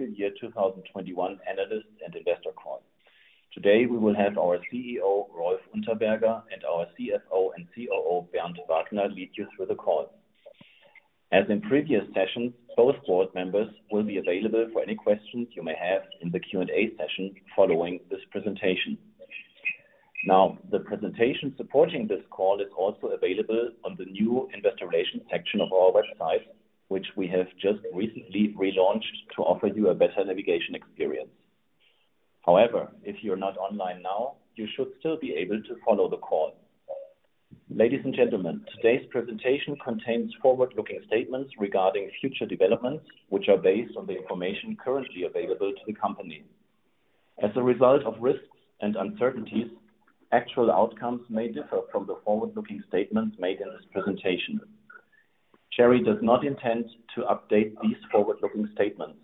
Our Fiscal Year 2021 Analyst and Investor Call. Today we will have our CEO, Rolf Unterberger, and our CFO and COO, Bernd Wagner, lead you through the call. As in previous sessions, both board members will be available for any questions you may have in the Q&A session following this presentation. Now, the presentation supporting this call is also available on the new investor relations section of our website, which we have just recently relaunched to offer you a better navigation experience. However, if you're not online now, you should still be able to follow the call. Ladies and gentlemen, today's presentation contains forward-looking statements regarding future developments, which are based on the information currently available to the company. As a result of risks and uncertainties, actual outcomes may differ from the forward-looking statements made in this presentation. Cherry does not intend to update these forward-looking statements.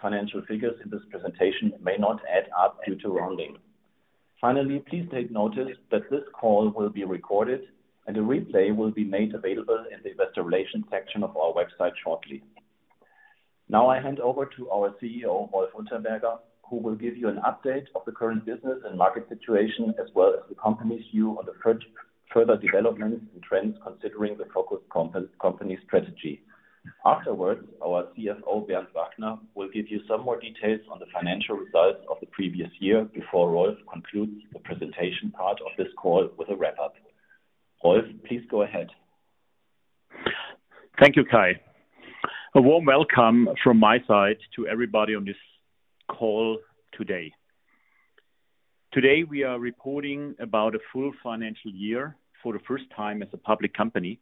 Financial figures in this presentation may not add up due to rounding. Finally, please take notice that this call will be recorded and a replay will be made available in the investor relations section of our website shortly. Now I hand over to our CEO, Rolf Unterberger, who will give you an update of the current business and market situation as well as the company's view on the further developments and trends considering the focused company strategy. Afterwards, our CFO, Bernd Wagner, will give you some more details on the financial results of the previous year before Rolf concludes the presentation part of this call with a wrap-up. Rolf, please go ahead. Thank you, Kai. A warm welcome from my side to everybody on this call today. Today we are reporting about a full financial year for the first time as a public company,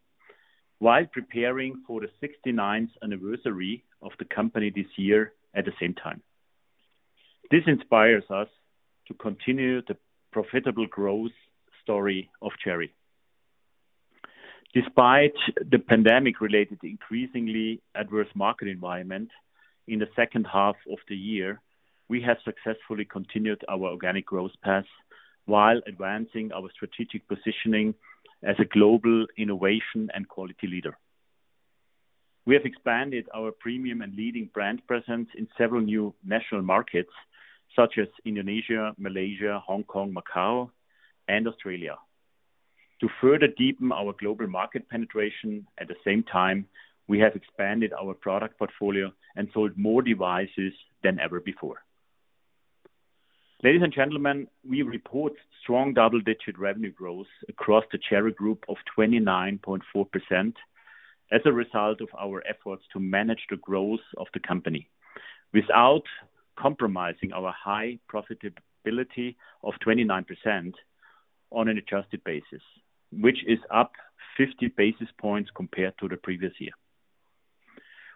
while preparing for the sixty-ninth anniversary of the company this year at the same time. This inspires us to continue the profitable growth story of Cherry. Despite the pandemic-related increasingly adverse market environment in the second half of the year, we have successfully continued our organic growth path while advancing our strategic positioning as a global innovation and quality leader. We have expanded our premium and leading brand presence in several new national markets such as Indonesia, Malaysia, Hong Kong, Macau, and Australia. To further deepen our global market penetration, at the same time, we have expanded our product portfolio and sold more devices than ever before. Ladies and gentlemen, we report strong double-digit revenue growth across the Cherry Group of 29.4% as a result of our efforts to manage the growth of the company without compromising our high profitability of 29% on an adjusted basis, which is up 50 basis points compared to the previous year.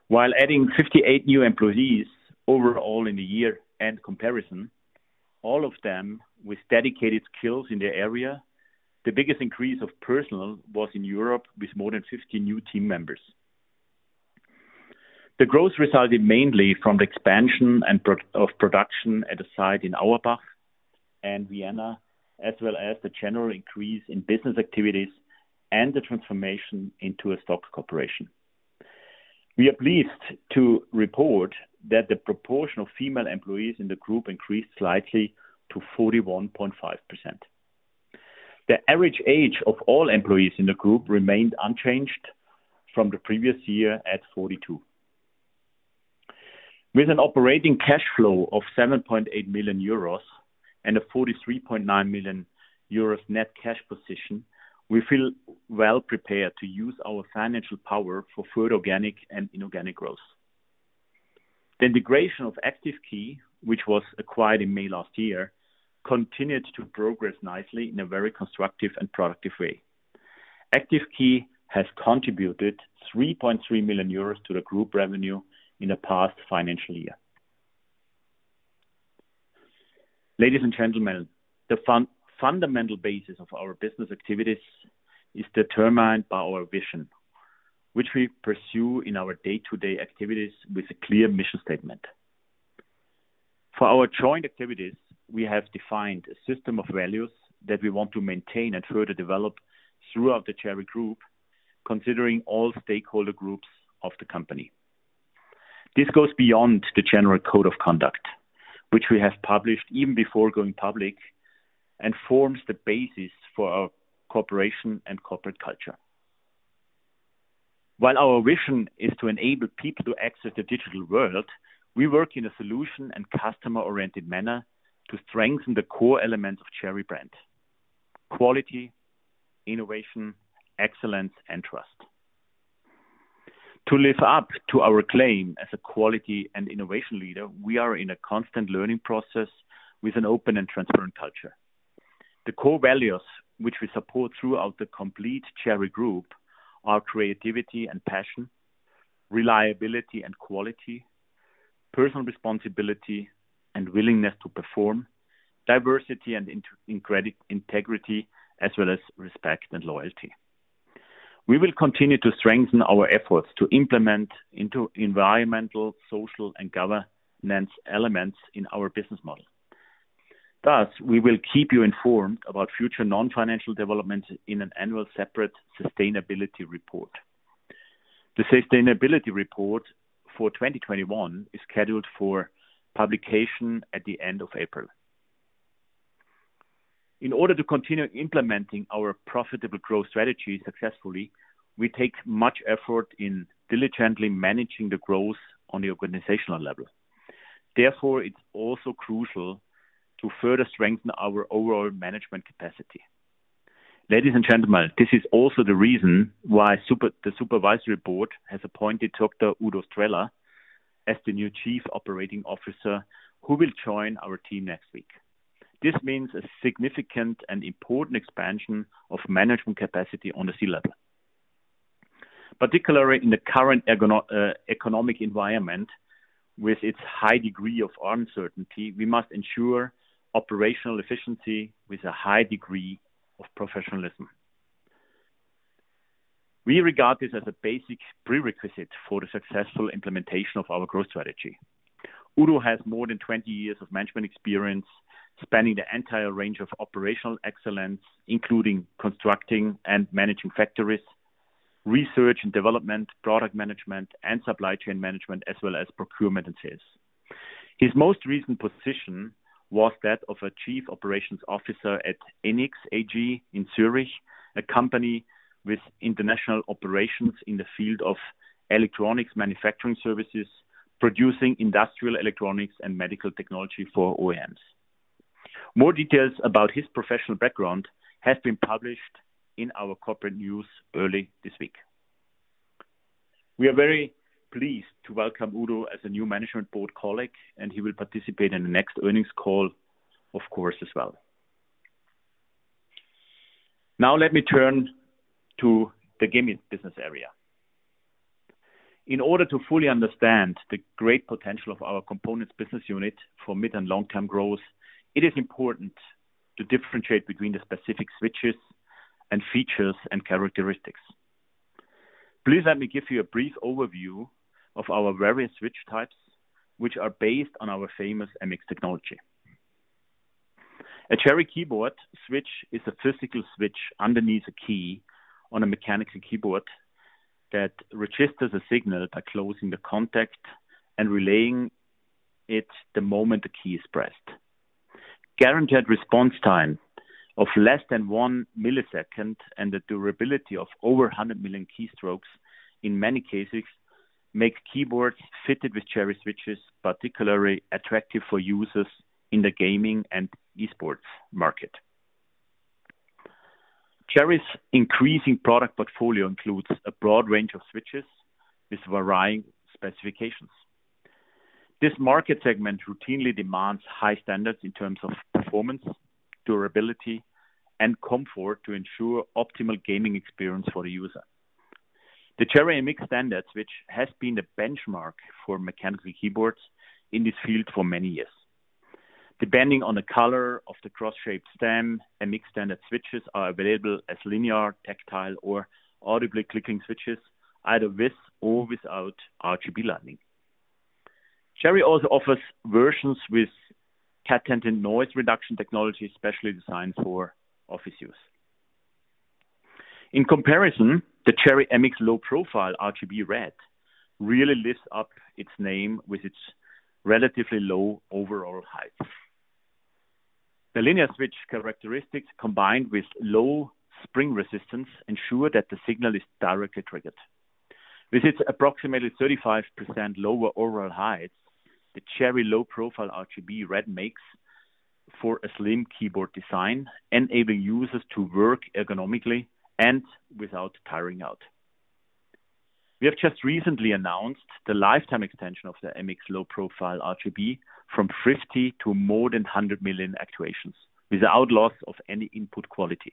While adding 58 new employees overall in the year in comparison, all of them with dedicated skills in their area, the biggest increase of personnel was in Europe with more than 50 new team members. The growth resulted mainly from the expansion of production at the site in Auerbach and Vienna, as well as the general increase in business activities and the transformation into a stock corporation. We are pleased to report that the proportion of female employees in the group increased slightly to 41.5%. The average age of all employees in the group remained unchanged from the previous year at 42. With an operating cash flow of 7.8 million euros and a 43.9 million euros net cash position, we feel well prepared to use our financial power for further organic and inorganic growth. The integration of Active Key, which was acquired in May last year, continued to progress nicely in a very constructive and productive way. Active Key has contributed 3.3 million euros to the group revenue in the past financial year. Ladies and gentlemen, the fundamental basis of our business activities is determined by our vision, which we pursue in our day-to-day activities with a clear mission statement. For our joint activities, we have defined a system of values that we want to maintain and further develop throughout the Cherry Group, considering all stakeholder groups of the company. This goes beyond the general code of conduct, which we have published even before going public, and forms the basis for our cooperation and corporate culture. While our vision is to enable people to access the digital world, we work in a solution and customer-oriented manner to strengthen the core elements of Cherry brand. Quality, innovation, excellence, and trust. To live up to our claim as a quality and innovation leader, we are in a constant learning process with an open and transparent culture. The core values, which we support throughout the complete Cherry Group are creativity and passion, reliability and quality, personal responsibility and willingness to perform, diversity and integrity as well as respect and loyalty. We will continue to strengthen our efforts to implement into environmental, social, and governance elements in our business model. Thus, we will keep you informed about future non-financial developments in an annual separate sustainability report. The sustainability report for 2021 is scheduled for publication at the end of April. In order to continue implementing our profitable growth strategy successfully, we take much effort in diligently managing the growth on the organizational level. Therefore, it's also crucial to further strengthen our overall management capacity. Ladies and gentlemen, this is also the reason why the supervisory board has appointed Dr. Udo Streller as the new Chief Operating Officer, who will join our team next week. This means a significant and important expansion of management capacity on the C-level. Particularly in the current economic environment, with its high degree of uncertainty, we must ensure operational efficiency with a high degree of professionalism. We regard this as a basic prerequisite for the successful implementation of our growth strategy. Udo has more than 20 years of management experience, spanning the entire range of operational excellence, including constructing and managing factories, research and development, product management and supply chain management, as well as procurement and sales. His most recent position was that of a Chief Operations Officer at Enics AG in Zurich, a company with international operations in the field of electronics manufacturing services, producing industrial electronics and medical technology for OEMs. More details about his professional background has been published in our corporate news early this week. We are very pleased to welcome Dr. Udo Streller as a new management board colleague, and he will participate in the next earnings call, of course, as well. Now let me turn to the gaming business area. In order to fully understand the great potential of our components business unit for mid and long-term growth, it is important to differentiate between the specific switches and features and characteristics. Please let me give you a brief overview of our various switch types, which are based on our famous MX technology. A Cherry keyboard switch is a physical switch underneath a key on a mechanical keyboard that registers a signal by closing the contact and relaying it the moment the key is pressed. Guaranteed response time of less than one millisecond and the durability of over 100 million keystrokes in many cases make keyboards fitted with Cherry switches particularly attractive for users in the gaming and e-sports market. Cherry's increasing product portfolio includes a broad range of switches with varying specifications. This market segment routinely demands high standards in terms of performance, durability, and comfort to ensure optimal gaming experience for the user. The Cherry MX standard switch has been the benchmark for mechanical keyboards in this field for many years. Depending on the color of the cross-shaped stem, MX standard switches are available as linear, tactile or audibly clicking switches, either with or without RGB lighting. Cherry also offers versions with quiet-tinted noise reduction technology, especially designed for office use. In comparison, the Cherry MX Low Profile RGB Red really lives up to its name with its relatively low overall height. The linear switch characteristics, combined with low spring resistance, ensure that the signal is directly triggered. With its approximately 35% lower overall height, the Cherry MX Low Profile RGB Red makes for a slim keyboard design, enabling users to work ergonomically and without tiring out. We have just recently announced the lifetime extension of the MX Low Profile RGB from 50 to more than 100 million actuations without loss of any input quality.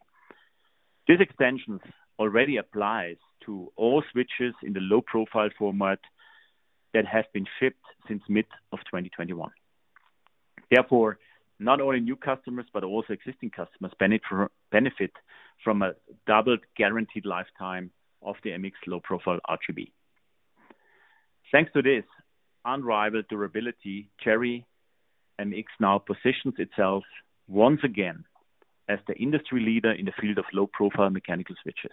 This extension already applies to all switches in the low profile format that has been shipped since mid-2021. Therefore, not only new customers, but also existing customers benefit from a doubled guaranteed lifetime of the MX Low Profile RGB. Thanks to this unrivaled durability, Cherry MX now positions itself once again as the industry leader in the field of low-profile mechanical switches.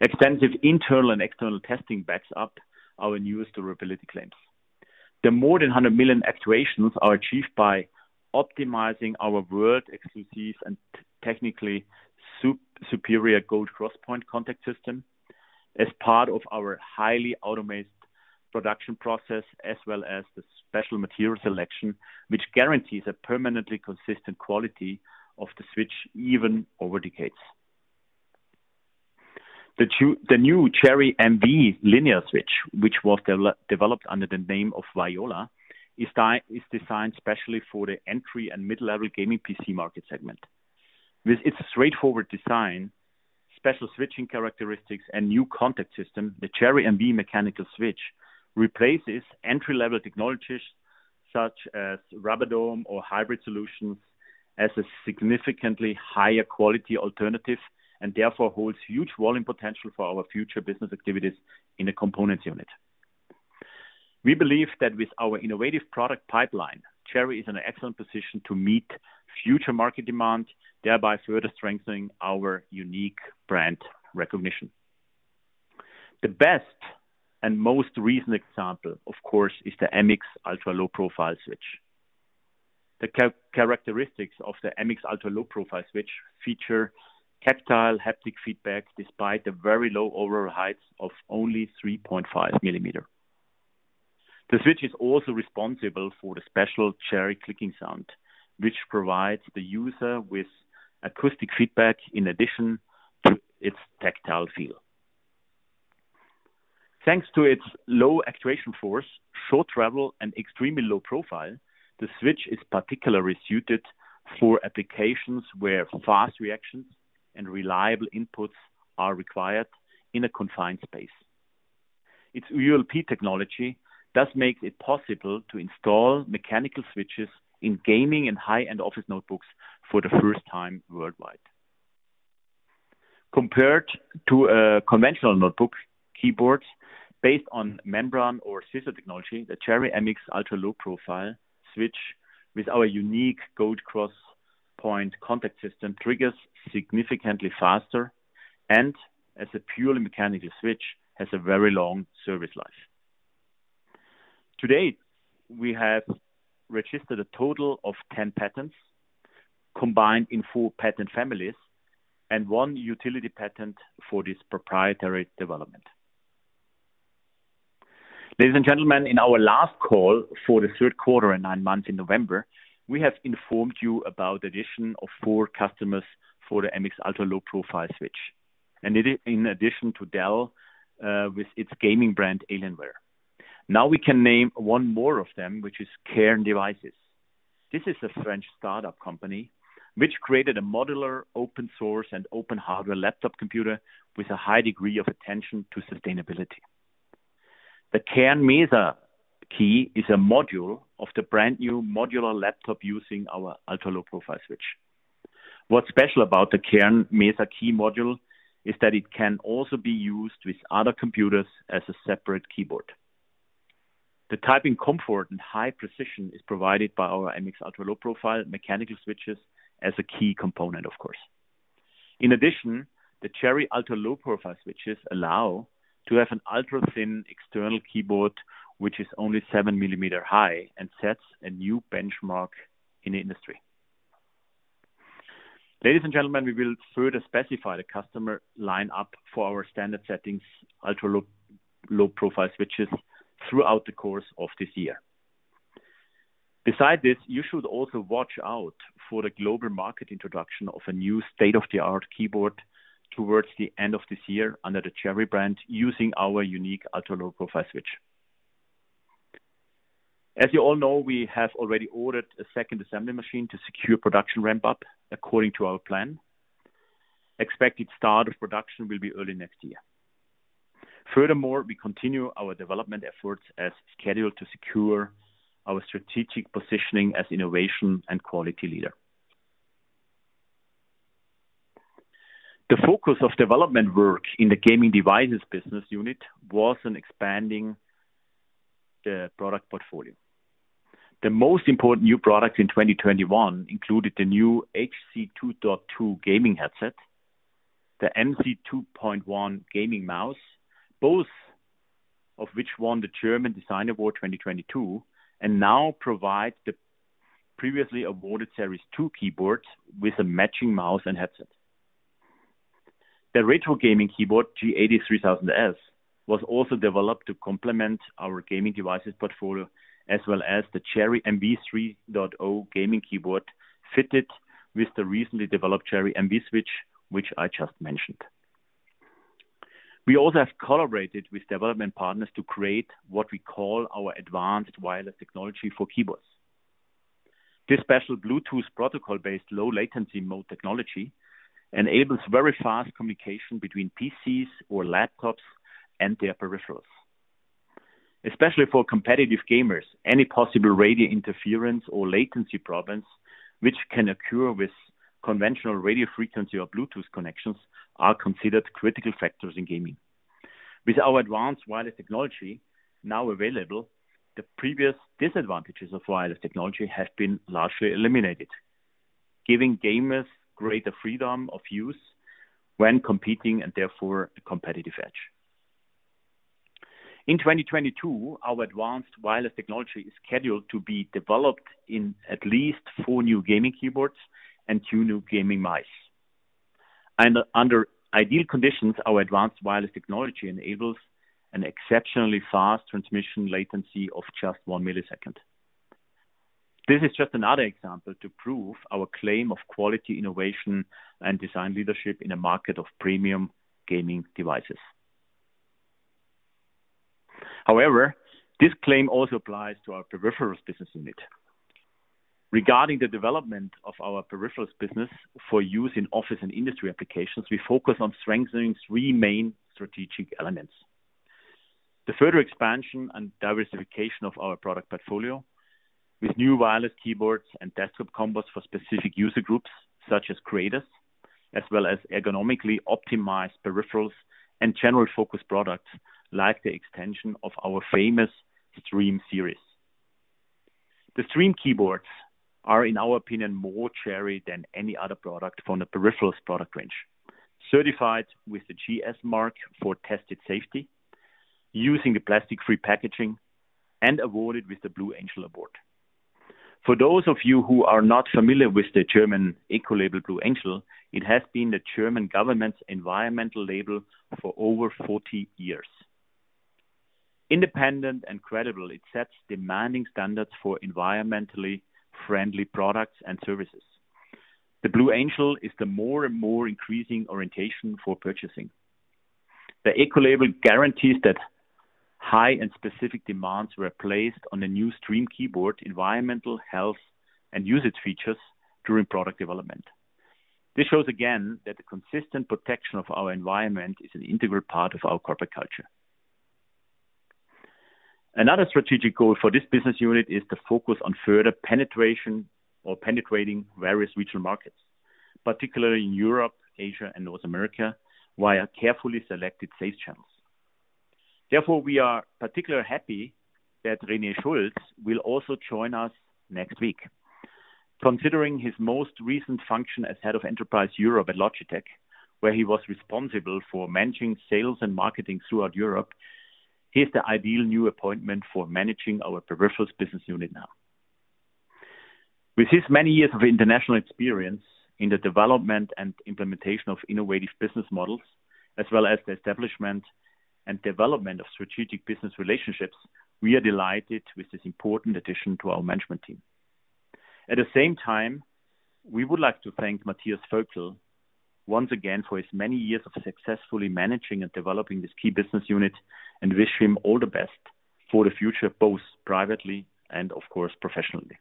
Extensive internal and external testing backs up our newest durability claims. The more than 100 million actuations are achieved by optimizing our world exclusive and technically superior Gold Crosspoint contact system as part of our highly automated production process, as well as the special material selection, which guarantees a permanently consistent quality of the switch even over decades. The new Cherry MV linear switch, which was developed under the name of Viola, is designed specially for the entry and middle-level gaming PC market segment. With its straightforward design, special switching characteristics and new contact system, the Cherry MV mechanical switch replaces entry-level technologies such as rubber dome or hybrid solutions as a significantly higher quality alternative and therefore holds huge volume potential for our future business activities in the components unit. We believe that with our innovative product pipeline, Cherry is in an excellent position to meet future market demand, thereby further strengthening our unique brand recognition. The best and most recent example, of course, is the MX Ultra Low Profile switch. The characteristics of the MX Ultra Low Profile switch feature tactile haptic feedback despite the very low overall height of only 3.5 mm. The switch is also responsible for the special Cherry clicking sound, which provides the user with acoustic feedback in addition to its tactile feel. Thanks to its low actuation force, short travel and extremely low profile, the switch is particularly suited for applications where fast reactions and reliable inputs are required in a confined space. Its ULP technology does make it possible to install mechanical switches in gaming and high-end office notebooks for the first time worldwide. Compared to a conventional notebook keyboard based on membrane or scissor technology, the Cherry MX Ultra Low Profile switch with our unique Gold Crosspoint contact system triggers significantly faster and as a purely mechanical switch has a very long service life. To date, we have registered a total of 10 patents combined in four patent families and one utility patent for this proprietary development. Ladies and gentlemen, in our last call for the third quarter and nine months in November, we have informed you about the addition of four customers for the MX Ultra Low Profile switch and it is in addition to Dell with its gaming brand, Alienware. Now we can name one more of them, which is Cairn Devices. This is a French startup company which created a modular, open source and open hardware laptop computer with a high degree of attention to sustainability. The Cairn Mesa Key is a module of the brand new modular laptop using our Ultra Low Profile switch. What's special about the Cairn Mesa Key module is that it can also be used with other computers as a separate keyboard. The typing comfort and high precision is provided by our MX Ultra Low Profile mechanical switches as a key component, of course. In addition, the Cherry MX Ultra Low Profile switches allow to have an ultrathin external keyboard, which is only 7 mm high and sets a new benchmark in the industry. Ladies and gentlemen, we will further specify the customer lineup for our MX Ultra Low Profile switches throughout the course of this year. Besides this, you should also watch out for the global market introduction of a new state-of-the-art keyboard towards the end of this year under the Cherry brand using our unique MX Ultra Low Profile switch. As you all know, we have already ordered a second assembly machine to secure production ramp up according to our plan. Expected start of production will be early next year. Furthermore, we continue our development efforts as scheduled to secure our strategic positioning as innovation and quality leader. The focus of development work in the gaming devices business unit was in expanding the product portfolio. The most important new products in 2021 included the new HC 2.2 gaming headset, the MC 2.1 gaming mouse, both of which won the German Design Award 2022 and now provide the previously awarded series 2 keyboards with a matching mouse and headset. The retro gaming keyboard G80-3000S was also developed to complement our gaming devices portfolio, as well as the CHERRY MV 3.0 gaming keyboard fitted with the recently developed Cherry MV switch, which I just mentioned. We also have collaborated with development partners to create what we call our CHERRY Advanced Wireless Technology for keyboards. This special Bluetooth protocol based low latency mode technology enables very fast communication between PCs or laptops and their peripherals. Especially for competitive gamers, any possible radio interference or latency problems which can occur with conventional radio frequency or Bluetooth connections are considered critical factors in gaming. With our advanced wireless technology now available, the previous disadvantages of wireless technology have been largely eliminated, giving gamers greater freedom of use when competing and therefore a competitive edge. In 2022 our advanced wireless technology is scheduled to be developed in at least four new gaming keyboards and two new gaming mice. Under ideal conditions, our advanced wireless technology enables an exceptionally fast transmission latency of just 1 millisecond. This is just another example to prove our claim of quality, innovation and design leadership in a market of premium gaming devices. However, this claim also applies to our peripherals business unit. Regarding the development of our peripherals business for use in office and industry applications, we focus on strengthening three main strategic elements. The further expansion and diversification of our product portfolio with new wireless keyboards and desktop combos for specific user groups such as creators, as well as ergonomically optimized peripherals and general focused products like the extension of our famous STREAM series. The STREAM keyboards are, in our opinion, more Cherry than any other product from the peripherals product range, certified with the GS Mark for tested safety using the plastic-free packaging and awarded with the Blue Angel award. For those of you who are not familiar with the German ecolabel Blue Angel, it has been the German government's environmental label for over 40 years. Independent and credible, it sets demanding standards for environmentally friendly products and services. The Blue Angel is the more and more increasing orientation for purchasing. The ecolabel guarantees that high and specific demands were placed on the new STREAM keyboard, environmental, health, and usage features during product development. This shows again that the consistent protection of our environment is an integral part of our corporate culture. Another strategic goal for this business unit is to focus on further penetration or penetrating various regional markets, particularly in Europe, Asia and North America, via carefully selected sales channels. Therefore, we are particularly happy that René Schulz will also join us next week. Considering his most recent function as head of Enterprise Europe at Logitech, where he was responsible for managing sales and marketing throughout Europe, he is the ideal new appointment for managing our peripherals business unit now. With his many years of international experience in the development and implementation of innovative business models, as well as the establishment and development of strategic business relationships, we are delighted with this important addition to our management team. At the same time, we would like to thank Matthias Völkel once again for his many years of successfully managing and developing this key business unit and wish him all the best for the future, both privately and of course, professionally.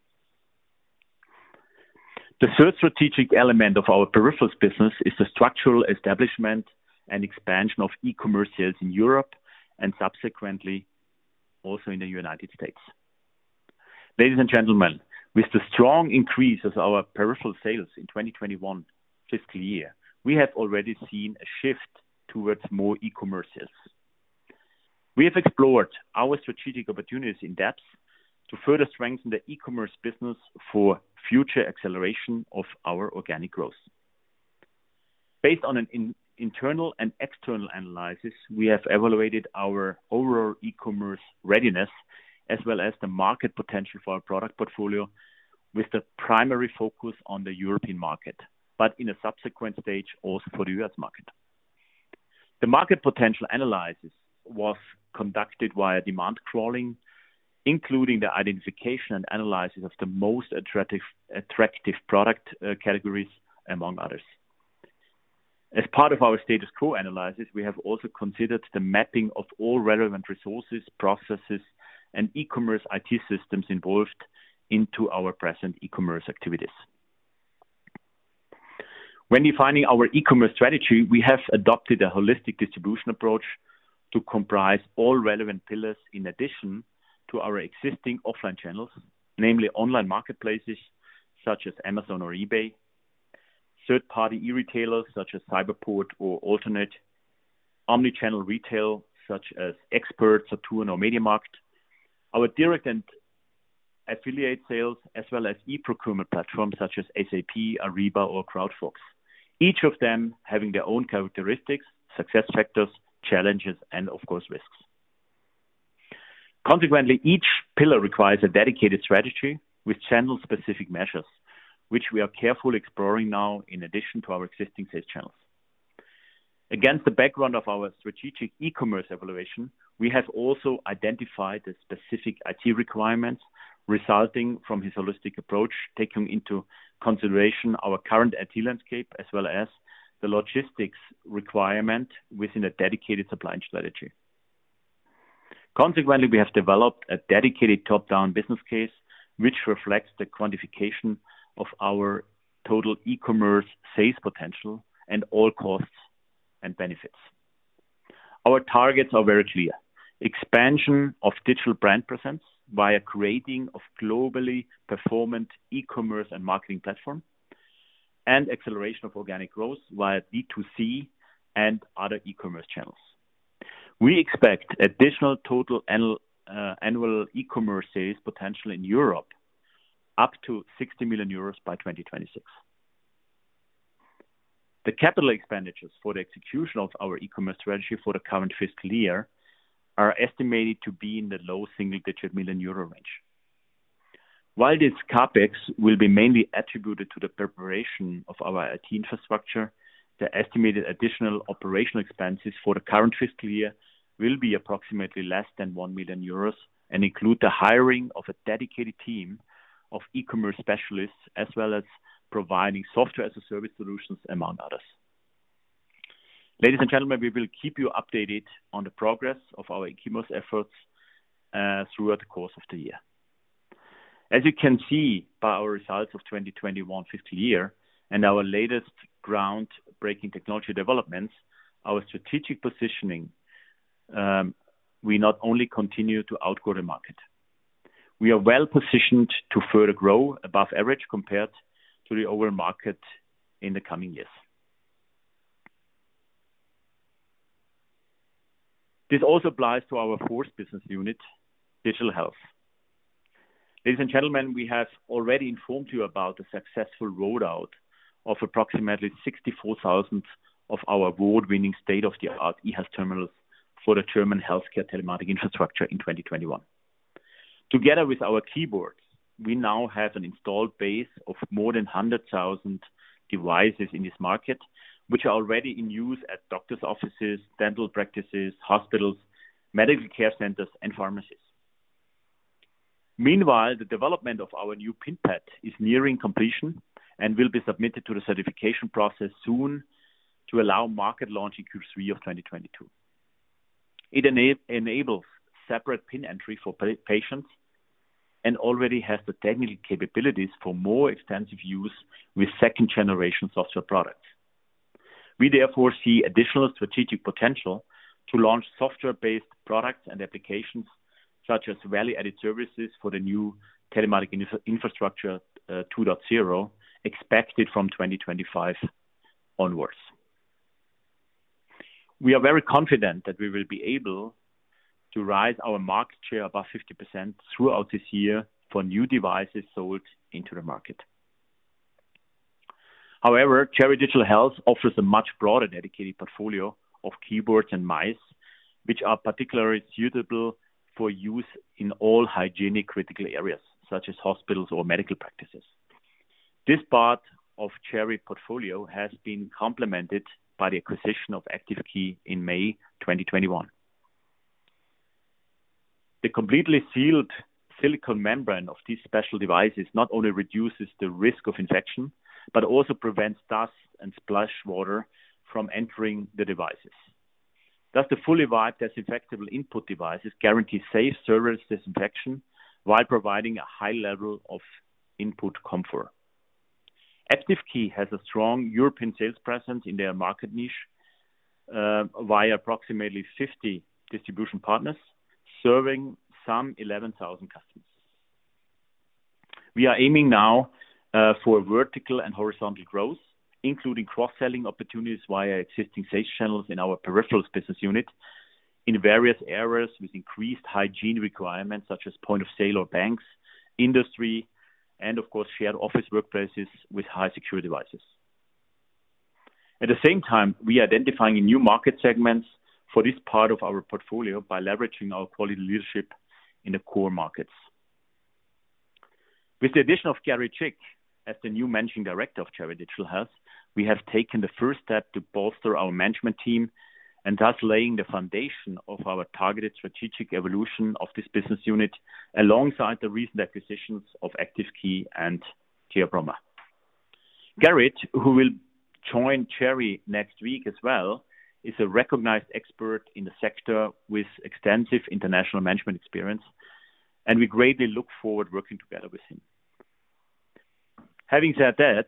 The third strategic element of our peripherals business is the structural establishment and expansion of e-commerce sales in Europe and subsequently also in the United States. Ladies and gentlemen, with the strong increase of our peripheral sales in 2021 fiscal year, we have already seen a shift towards more e-commerce sales. We have explored our strategic opportunities in depth to further strengthen the e-commerce business for future acceleration of our organic growth. Based on an internal and external analysis, we have evaluated our overall e-commerce readiness as well as the market potential for our product portfolio with the primary focus on the European market, but in a subsequent stage also for the U.S. market. The market potential analysis was conducted via demand crawling, including the identification and analysis of the most attractive product categories, among others. As part of our status quo analysis, we have also considered the mapping of all relevant resources, processes, and e-commerce IT systems involved in our present e-commerce activities. When defining our e-commerce strategy, we have adopted a holistic distribution approach to comprise all relevant pillars in addition to our existing offline channels, namely online marketplaces such as Amazon or eBay, third-party e-retailers such as Cyberport or Alternate, omni-channel retail such as Expert, Saturn or MediaMarkt, our direct and affiliate sales as well as e-procurement platforms such as SAP, Ariba or Crowdfox. Each of them having their own characteristics, success factors, challenges, and of course, risks. Consequently, each pillar requires a dedicated strategy with channel-specific measures, which we are carefully exploring now in addition to our existing sales channels. Against the background of our strategic e-commerce evaluation, we have also identified the specific IT requirements resulting from this holistic approach, taking into consideration our current IT landscape as well as the logistics requirement within a dedicated supply chain strategy. Consequently, we have developed a dedicated top-down business case which reflects the quantification of our total e-commerce sales potential and all costs and benefits. Our targets are very clear. Expansion of digital brand presence via creation of globally performant e-commerce and marketing platform, and acceleration of organic growth via D2C and other e-commerce channels. We expect additional total annual e-commerce sales potential in Europe up to 60 million euros by 2026. The capital expenditures for the execution of our e-commerce strategy for the current fiscal year are estimated to be in the low single-digit million EUR range. While this CapEx will be mainly attributed to the preparation of our IT infrastructure, the estimated additional operational expenses for the current fiscal year will be approximately less than 1 million euros and include the hiring of a dedicated team of e-commerce specialists as well as providing software as a service solutions, among others. Ladies and gentlemen, we will keep you updated on the progress of our e-commerce efforts, throughout the course of the year. As you can see by our results of 2021 fiscal year and our latest groundbreaking technology developments, our strategic positioning, we not only continue to outgrow the market. We are well-positioned to further grow above average compared to the overall market in the coming years. This also applies to our fourth business unit, Digital Health. Ladies and gentlemen, we have already informed you about the successful rollout of approximately 64,000 of our award-winning state-of-the-art eHealth terminals for the German healthcare telematics infrastructure in 2021. Together with our keyboards, we now have an installed base of more than 100,000 devices in this market, which are already in use at doctor's offices, dental practices, hospitals, medical care centers and pharmacies. Meanwhile, the development of our new PIN pad is nearing completion and will be submitted to the certification process soon to allow market launch in Q3 of 2022. It enables separate PIN entry for patients and already has the technical capabilities for more extensive use with second-generation software products. We therefore see additional strategic potential to launch software-based products and applications such as value-added services for the new telematics infrastructure 2.0, expected from 2025 onwards. We are very confident that we will be able to raise our market share above 50% throughout this year for new devices sold into the market. However, CHERRY Digital Health offers a much broader dedicated portfolio of keyboards and mice, which are particularly suitable for use in all hygienic critical areas, such as hospitals or medical practices. This part of Cherry portfolio has been complemented by the acquisition of Active Key in May 2021. The completely sealed silicone membrane of these special devices not only reduces the risk of infection, but also prevents dust and splash water from entering the devices. Thus, the fully wiped disinfectable input devices guarantee safe service disinfection while providing a high level of input comfort. Active Key has a strong European sales presence in their market niche, via approximately 50 distribution partners, serving some 11,000 customers. We are aiming now for vertical and horizontal growth, including cross-selling opportunities via existing sales channels in our peripherals business unit in various areas with increased hygiene requirements such as point of sale or banks, industry and of course, shared office workplaces with high security devices. At the same time, we are identifying new market segments for this part of our portfolio by leveraging our quality leadership in the core markets. With the addition of Gerrit Schick as the new Managing Director of Cherry Digital Health, we have taken the first step to bolster our management team and thus laying the foundation of our targeted strategic evolution of this business unit alongside the recent acquisitions of Active Key and Theobroma. Gerrit, who will join Cherry next week as well, is a recognized expert in the sector with extensive international management experience, and we greatly look forward working together with him. Having said that,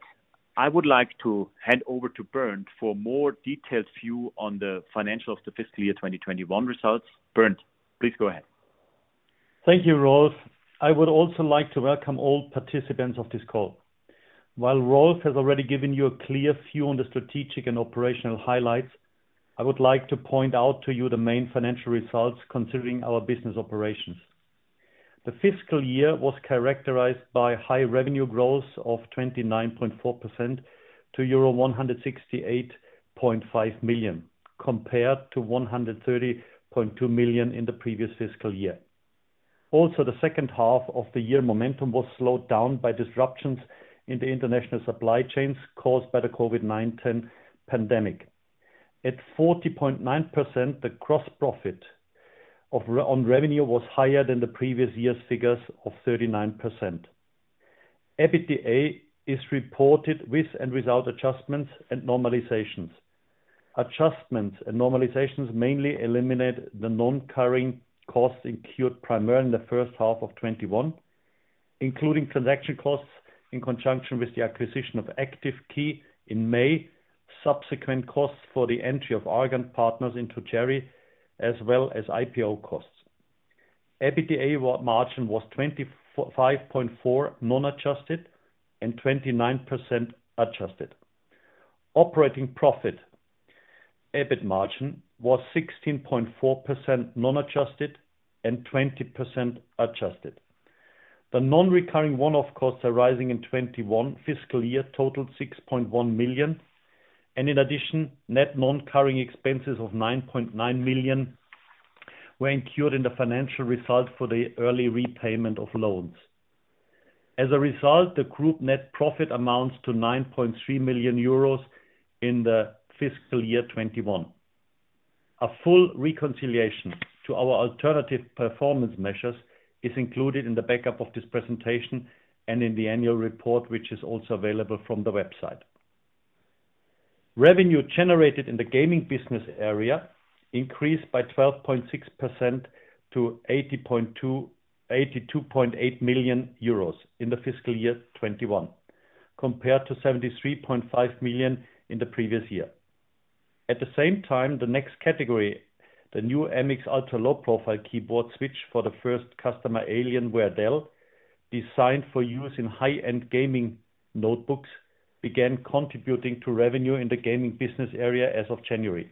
I would like to hand over to Bernd for a more detailed view on the financials of the fiscal year 2021 results. Bernd, please go ahead. Thank you, Rolf. I would also like to welcome all participants of this call. While Rolf has already given you a clear view on the strategic and operational highlights, I would like to point out to you the main financial results considering our business operations. The fiscal year was characterized by high revenue growth of 29.4% to euro 168.5 million, compared to 130.2 million in the previous fiscal year. The second half of the year momentum was slowed down by disruptions in the international supply chains caused by the COVID-19 pandemic. At 40.9%, the gross margin on revenue was higher than the previous year's figures of 39%. EBITDA is reported with and without adjustments and normalizations. Adjustments and normalizations mainly eliminate the non-recurring costs incurred primarily in the first half of 2021, including transaction costs in conjunction with the acquisition of Active Key in May, subsequent costs for the entry of Argand Partners into Cherry, as well as IPO costs. EBITDA margin was 25.4% non-adjusted and 29% adjusted. Operating profit, EBIT margin was 16.4% non-adjusted and 20% adjusted. The non-recurring one-off costs arising in 2021 fiscal year totaled 6.1 million, and in addition, net non-recurring expenses of 9.9 million were incurred in the financial result for the early repayment of loans. As a result, the group net profit amounts to 9.3 million euros in the fiscal year 2021. A full reconciliation to our alternative performance measures is included in the backup of this presentation and in the annual report, which is also available from the website. Revenue generated in the gaming business area increased by 12.6% to 82.8 million euros in the fiscal year 2021. Compared to 73.5 million in the previous year. At the same time, the next category, the new MX Ultra Low Profile keyboard switch for the first customer, Alienware Dell, designed for use in high-end gaming notebooks, began contributing to revenue in the gaming business area as of January.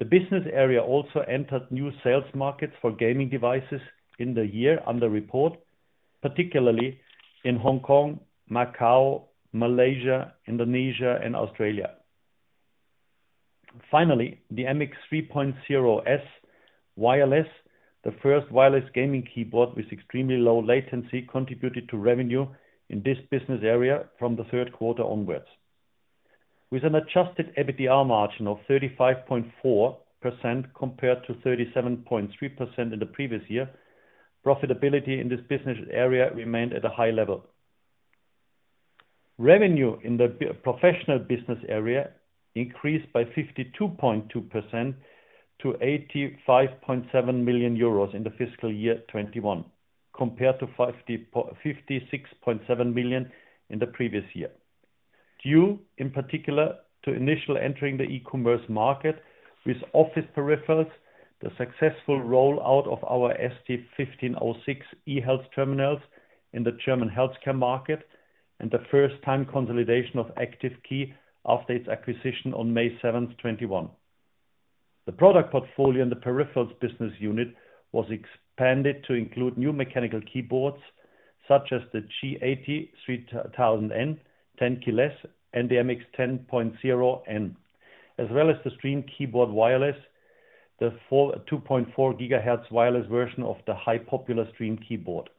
The business area also entered new sales markets for gaming devices in the year under report, particularly in Hong Kong, Macau, Malaysia, Indonesia, and Australia. Finally, the MX 3.0S Wireless, the first wireless gaming keyboard with extremely low latency, contributed to revenue in this business area from the third quarter onwards. With an adjusted EBITDA margin of 35.4% compared to 37.3% in the previous year, profitability in this business area remained at a high level. Revenue in the professional business area increased by 52.2% to 85.7 million euros in the fiscal year 2021 compared to 66.7 million in the previous year. Due in particular to initial entering the e-commerce market with office peripherals, the successful rollout of our ST-1506 eHealth terminals in the German healthcare market, and the first-time consolidation of Active Key after its acquisition on May 7, 2021. The product portfolio in the peripherals business unit was expanded to include new mechanical keyboards such as the G80-3000N tenkeyless, and the MX 10.0N, as well as the STREAM Keyboard Wireless, the 2.4 GHz wireless version of the highly popular STREAM keyboard.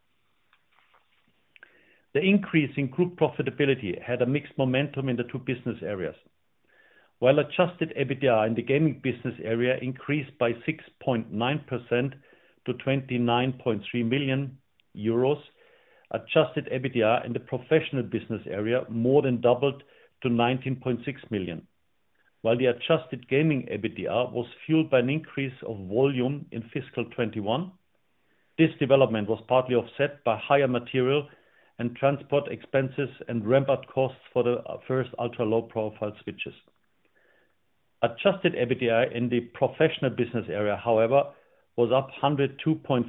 The increase in group profitability had a mixed momentum in the two business areas. While adjusted EBITDA in the gaming business area increased by 6.9% to 29.3 million euros, adjusted EBITDA in the professional business area more than doubled to 19.6 million. While the adjusted gaming EBITDA was fueled by an increase of volume in fiscal 2021, this development was partly offset by higher material and transport expenses and ramp-up costs for the first ultra-low profile switches. Adjusted EBITDA in the professional business area, however, was up 102.4%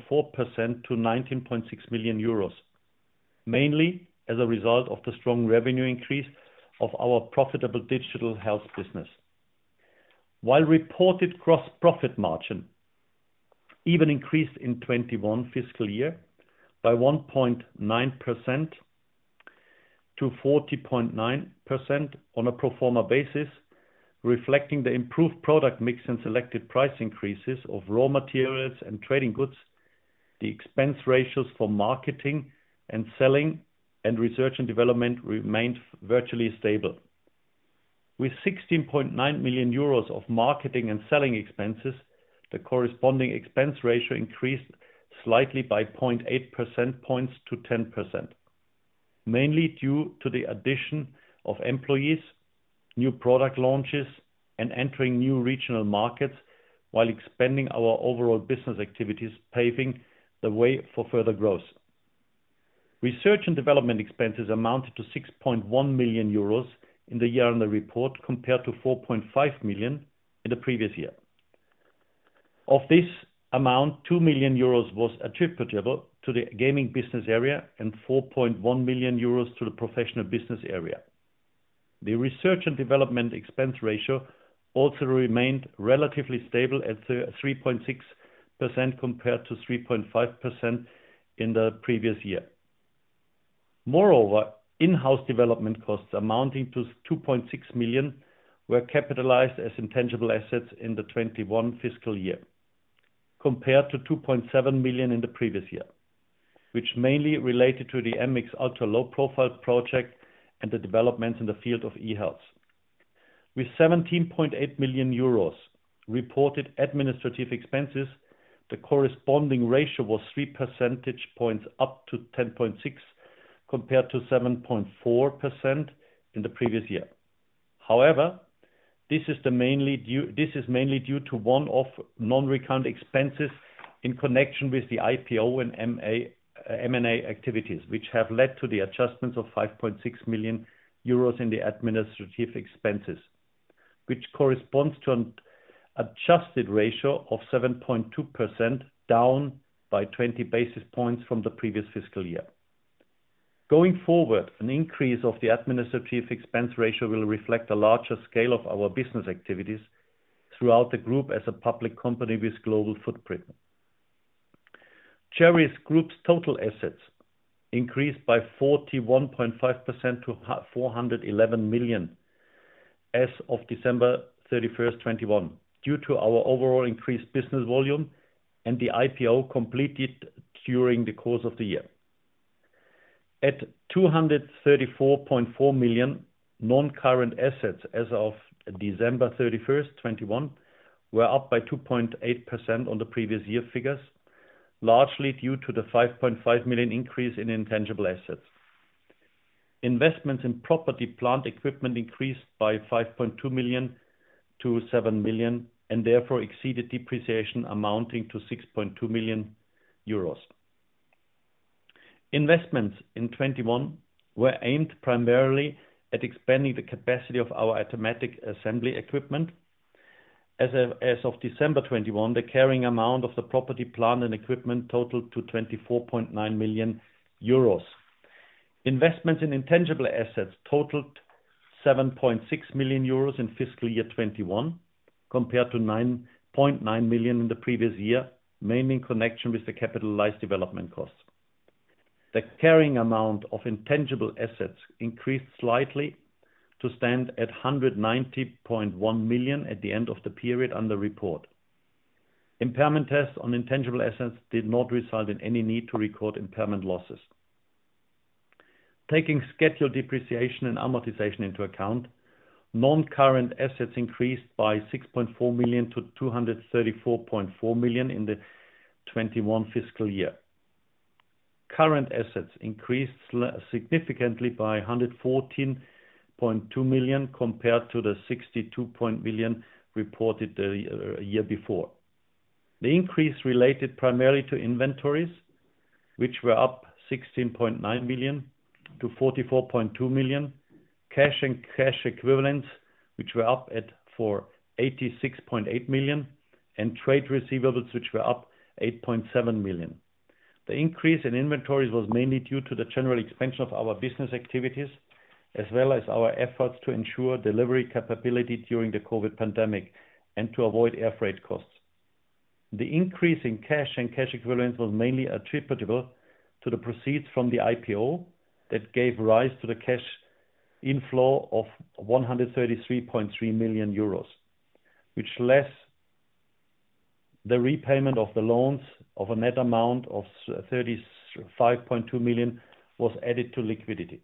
to 19.6 million euros, mainly as a result of the strong revenue increase of our profitable Digital Health business. While reported gross profit margin even increased in 2021 fiscal year by 1.9% to 40.9% on a pro forma basis, reflecting the improved product mix and selected price increases of raw materials and trading goods, the expense ratios for marketing and selling and research and development remained virtually stable. With 16.9 million euros of marketing and selling expenses, the corresponding expense ratio increased slightly by 0.8 percentage points to 10%, mainly due to the addition of employees, new product launches, and entering new regional markets while expanding our overall business activities, paving the way for further growth. Research and development expenses amounted to 6.1 million euros in the year under report, compared to 4.5 million in the previous year. Of this amount, 2 million euros was attributable to the gaming business area and 4.1 million euros to the professional business area. The research and development expense ratio also remained relatively stable at 3.6% compared to 3.5% in the previous year. Moreover, in-house development costs amounting to 2.6 million were capitalized as intangible assets in the 2021 fiscal year, compared to 2.7 million in the previous year, which mainly related to the MX Ultra Low Profile project and the developments in the field of eHealth. With 17.8 million euros reported administrative expenses, the corresponding ratio was 3 percentage points up to 10.6%, compared to 7.4% in the previous year. However, this is mainly due to one-off non-recurring expenses in connection with the IPO and M&A activities, which have led to the adjustments of 5.6 million euros in the administrative expenses, which corresponds to an adjusted ratio of 7.2%, down by 20 basis points from the previous fiscal year. Going forward, an increase of the administrative expense ratio will reflect the larger scale of our business activities throughout the group as a public company with global footprint. Cherry Group's total assets increased by 41.5% to 411 million as of December 31, 2021, due to our overall increased business volume and the IPO completed during the course of the year. At 234.4 million non-current assets as of December 31, 2021, were up by 2.8% on the previous year figures, largely due to the 5.5 million increase in intangible assets. Investments in property, plant and equipment increased by 5.2 million to 7 million and therefore exceeded depreciation amounting to 6.2 million euros. Investments in 2021 were aimed primarily at expanding the capacity of our automatic assembly equipment. As of December 2021, the carrying amount of the property, plant, and equipment totaled to 24.9 million euros. Investments in intangible assets totaled 7.6 million euros in fiscal year 2021, compared to 9.9 million in the previous year, mainly in connection with the capitalized development costs. The carrying amount of intangible assets increased slightly to stand at 190.1 million at the end of the period under report. Impairment tests on intangible assets did not result in any need to record impairment losses. Taking scheduled depreciation and amortization into account, non-current assets increased by 6.4 million to 234.4 million in the 2021 fiscal year. Current assets increased significantly by 114.2 million compared to the 62 million reported the year before. The increase related primarily to inventories, which were up 16.9 million to 44.2 million. Cash and cash equivalents, which were up to 86.8 million, and trade receivables, which were up 8.7 million. The increase in inventories was mainly due to the general expansion of our business activities, as well as our efforts to ensure delivery capability during the COVID-19 pandemic and to avoid air freight costs. The increase in cash and cash equivalents was mainly attributable to the proceeds from the IPO that gave rise to the cash inflow of 133.3 million euros, which, less the repayment of the loans of a net amount of 35.2 million, was added to liquidity.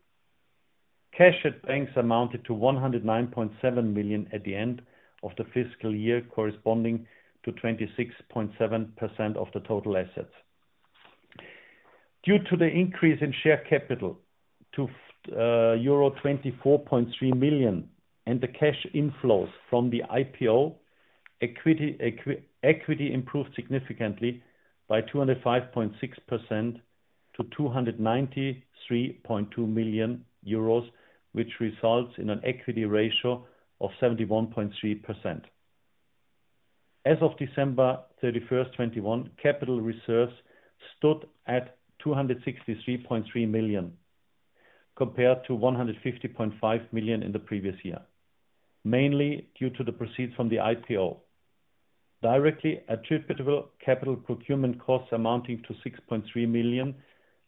Cash at banks amounted to 109.7 million at the end of the fiscal year, corresponding to 26.7% of the total assets. Due to the increase in share capital to euro 24.3 million and the cash inflows from the IPO, equity improved significantly by 205.6% to 293.2 million euros, which results in an equity ratio of 71.3%. As of December 31, 2021, capital reserves stood at 263.3 million, compared to 150.5 million in the previous year, mainly due to the proceeds from the IPO. Directly attributable capital procurement costs amounting to 6.3 million,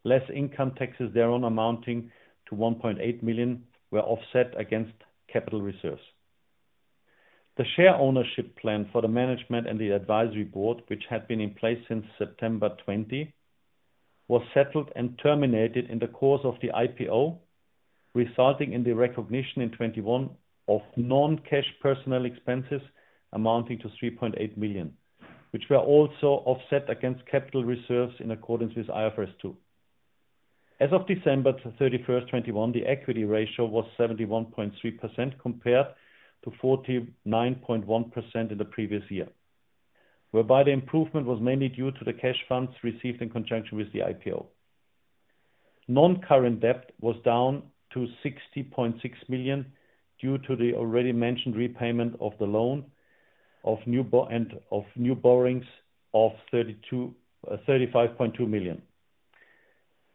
less income taxes thereon amounting to 1.8 million, were offset against capital reserves. The share ownership plan for the management and the advisory board, which had been in place since September 2020, was settled and terminated in the course of the IPO, resulting in the recognition in 2021 of non-cash personnel expenses amounting to 3.8 million, which were also offset against capital reserves in accordance with IFRS 2. As of December 31, 2021, the equity ratio was 71.3% compared to 49.1% in the previous year, whereby the improvement was mainly due to the cash funds received in conjunction with the IPO. Non-current debt was down to 60.6 million due to the already mentioned repayment of the loan and of new borrowings of 35.2 million.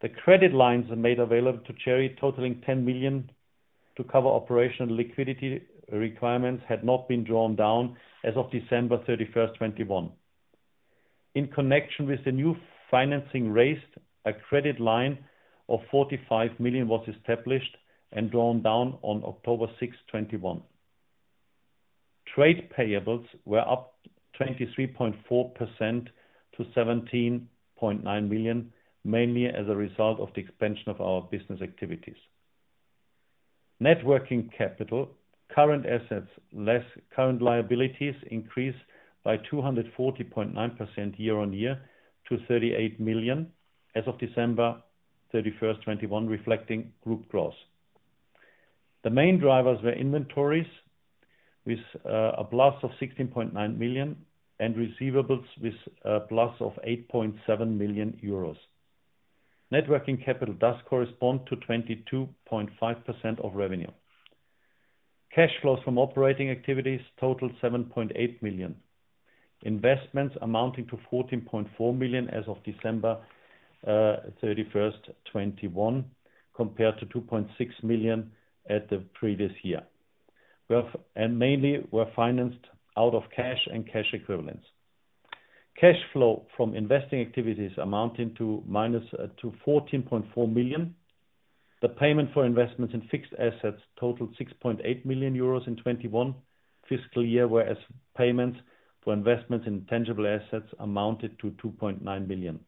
The credit lines made available to Cherry totaling 10 million to cover operational liquidity requirements had not been drawn down as of December 31, 2021. In connection with the new financing raised, a credit line of 45 million was established and drawn down on October 6, 2021. Trade payables were up 23.4% to 17.9 million, mainly as a result of the expansion of our business activities. Net working capital, current assets less current liabilities increased by 240.9% year-on-year to 38 million as of December 31, 2021, reflecting group growth. The main drivers were inventories with a plus of 16.9 million and receivables with a plus of 8.7 million euros. Net working capital does correspond to 22.5% of revenue. Cash flows from operating activities totaled 7.8 million. Investments amounting to 14.4 million as of December 31, 2021, compared to 2.6 million at the previous year. Mainly were financed out of cash and cash equivalents. Cash flow from investing activities amounting to minus 14.4 million. The payment for investments in fixed assets totaled 6.8 million euros in 2021 fiscal year, whereas payments for investments in tangible assets amounted to 2.9 million.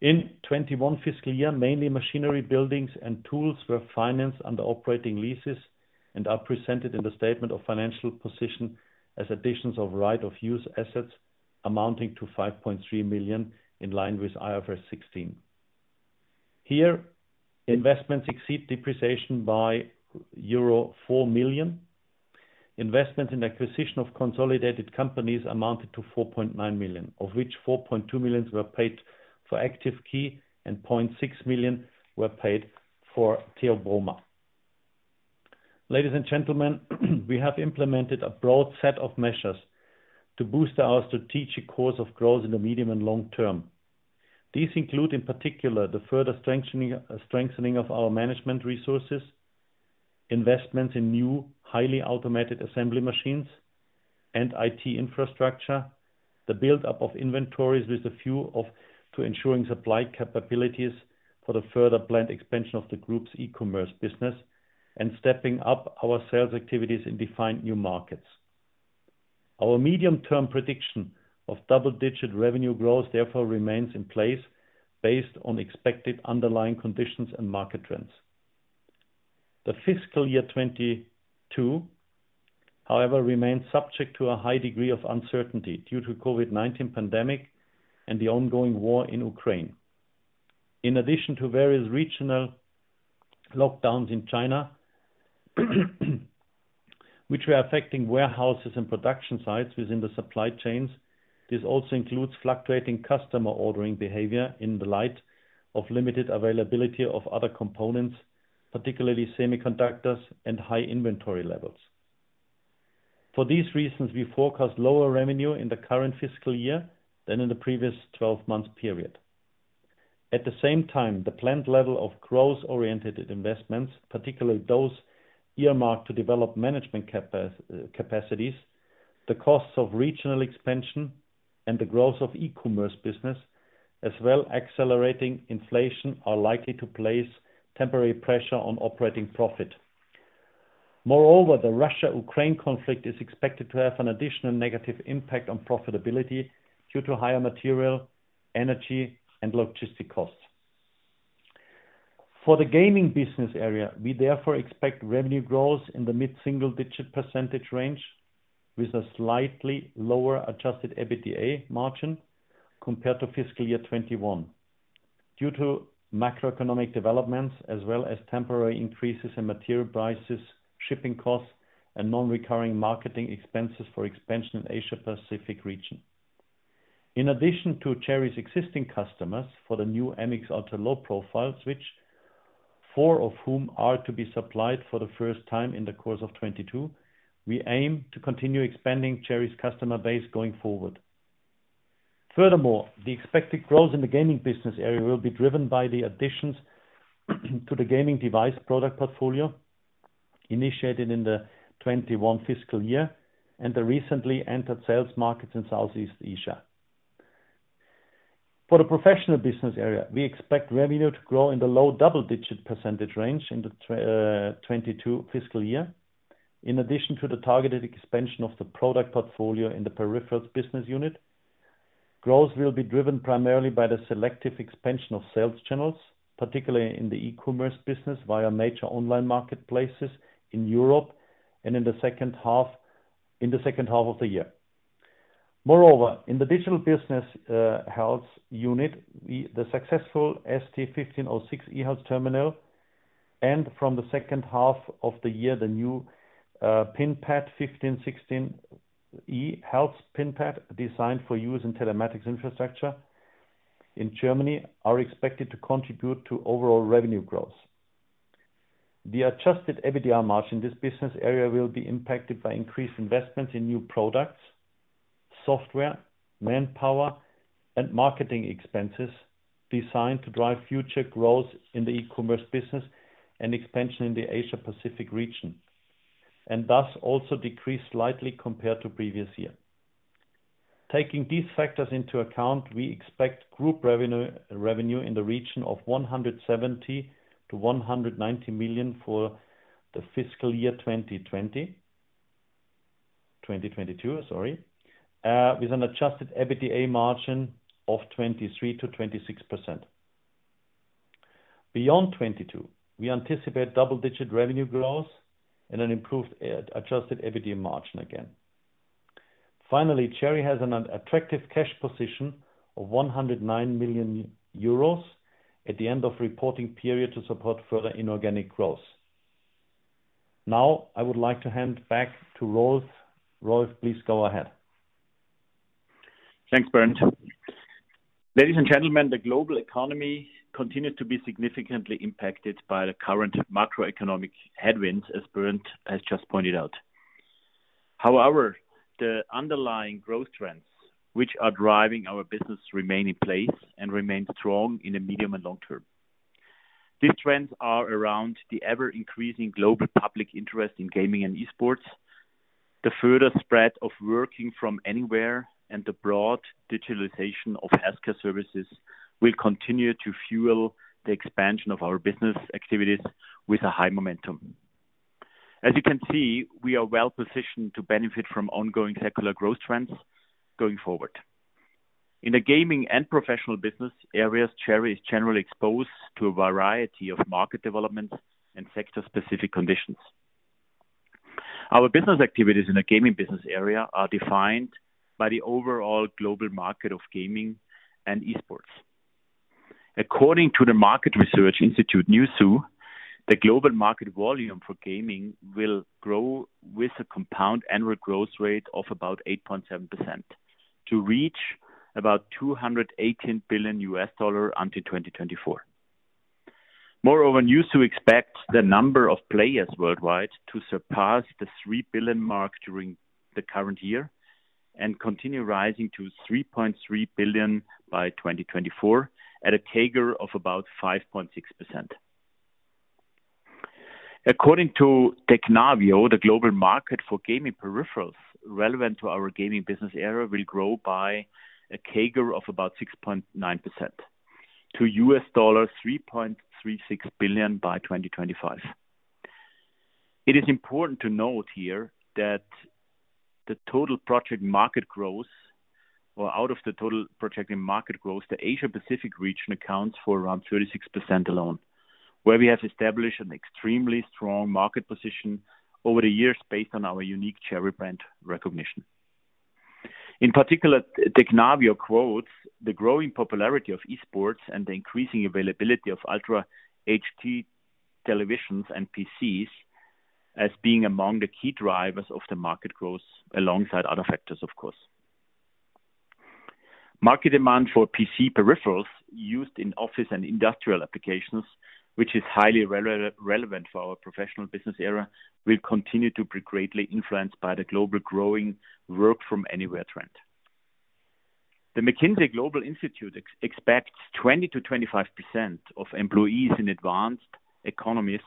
In 2021 fiscal year, mainly machinery, buildings, and tools were financed under operating leases and are presented in the statement of financial position as additions of right-of-use assets amounting to 5.3 million, in line with IFRS 16. Here, investments exceed depreciation by euro 4 million. Investments in acquisition of consolidated companies amounted to 4.9 million, of which 4.2 million were paid for Active Key and 0.6 million were paid for Theobroma. Ladies and gentlemen, we have implemented a broad set of measures to boost our strategic course of growth in the medium and long term. These include in particular the further strengthening of our management resources, investments in new highly automated assembly machines and IT infrastructure. The build-up of inventories with a view to ensuring supply capabilities for the further planned expansion of the group's e-commerce business, and stepping up our sales activities in defined new markets. Our medium-term prediction of double-digit revenue growth therefore remains in place based on expected underlying conditions and market trends. The fiscal year 2022, however, remains subject to a high degree of uncertainty due to COVID-19 pandemic and the ongoing war in Ukraine. In addition to various regional lockdowns in China, which were affecting warehouses and production sites within the supply chains. This also includes fluctuating customer ordering behavior in the light of limited availability of other components, particularly semiconductors and high inventory levels. For these reasons, we forecast lower revenue in the current fiscal year than in the previous twelve-month period. At the same time, the planned level of growth-oriented investments, particularly those earmarked to develop management capacities, the costs of regional expansion, and the growth of e-commerce business, as well as accelerating inflation, are likely to place temporary pressure on operating profit. Moreover, the Russia-Ukraine conflict is expected to have an additional negative impact on profitability due to higher material, energy, and logistic costs. For the gaming business area, we therefore expect revenue growth in the mid-single-digit % range, with a slightly lower adjusted EBITDA margin compared to fiscal year 2021. Due to macroeconomic developments as well as temporary increases in material prices, shipping costs, and non-recurring marketing expenses for expansion in Asia-Pacific region. In addition to Cherry's existing customers for the new MX Ultra Low Profile switch, four of whom are to be supplied for the first time in the course of 2022, we aim to continue expanding Cherry's customer base going forward. Furthermore, the expected growth in the gaming business area will be driven by the additions to the gaming device product portfolio initiated in the 2021 fiscal year, and the recently entered sales markets in Southeast Asia. For the professional business area, we expect revenue to grow in the low double-digit % range in the 2022 fiscal year, in addition to the targeted expansion of the product portfolio in the Peripherals Business Unit. Growth will be driven primarily by the selective expansion of sales channels, particularly in the e-commerce business, via major online marketplaces in Europe and in the second half of the year. Moreover, in the digital business health unit, the successful ST-1506 eHealth terminal, and from the second half of the year, the new eHealth PIN pad PP-1516 designed for use in telematics infrastructure in Germany, are expected to contribute to overall revenue growth. The adjusted EBITDA margin in this business area will be impacted by increased investments in new products, software, manpower, and marketing expenses designed to drive future growth in the e-commerce business and expansion in the Asia-Pacific region, and thus also decrease slightly compared to previous year. Taking these factors into account, we expect group revenue in the region of 170 million-190 million for the fiscal year 2022 with an adjusted EBITDA margin of 23%-26%. Beyond 2022, we anticipate double-digit revenue growth and an improved adjusted EBITDA margin again. Finally, Cherry has an attractive cash position of 109 million euros at the end of reporting period to support further inorganic growth. Now, I would like to hand back to Rolf. Rolf, please go ahead. Thanks, Bernd. Ladies and gentlemen, the global economy continued to be significantly impacted by the current macroeconomic headwinds, as Bernd has just pointed out. However, the underlying growth trends, which are driving our business remain in place and remain strong in the medium and long term. These trends are around the ever-increasing global public interest in gaming and e-sports. The further spread of working from anywhere and the broad digitalization of healthcare services will continue to fuel the expansion of our business activities with a high momentum. As you can see, we are well-positioned to benefit from ongoing secular growth trends going forward. In the gaming and professional business areas, Cherry is generally exposed to a variety of market developments and sector-specific conditions. Our business activities in the gaming business area are defined by the overall global market of gaming and e-sports. According to the Market Research Institute, Newzoo, the global market volume for gaming will grow with a compound annual growth rate of about 8.7% to reach about $218 billion until 2024. Moreover, Newzoo expects the number of players worldwide to surpass the 3 billion mark during the current year and continue rising to 3.3 billion by 2024 at a CAGR of about 5.6%. According to Technavio, the global market for gaming peripherals relevant to our gaming business area will grow by a CAGR of about 6.9% to $3.36 billion by 2025. It is important to note here that out of the total projected market growth, the Asia-Pacific region accounts for around 36% alone, where we have established an extremely strong market position over the years based on our unique Cherry brand recognition. In particular, Technavio quotes the growing popularity of e-sports and the increasing availability of Ultra HD televisions and PCs as being among the key drivers of the market growth alongside other factors, of course. Market demand for PC peripherals used in office and industrial applications, which is highly relevant for our professional business area, will continue to be greatly influenced by the global growing work from anywhere trend. The McKinsey Global Institute expects 20%-25% of employees in advanced economies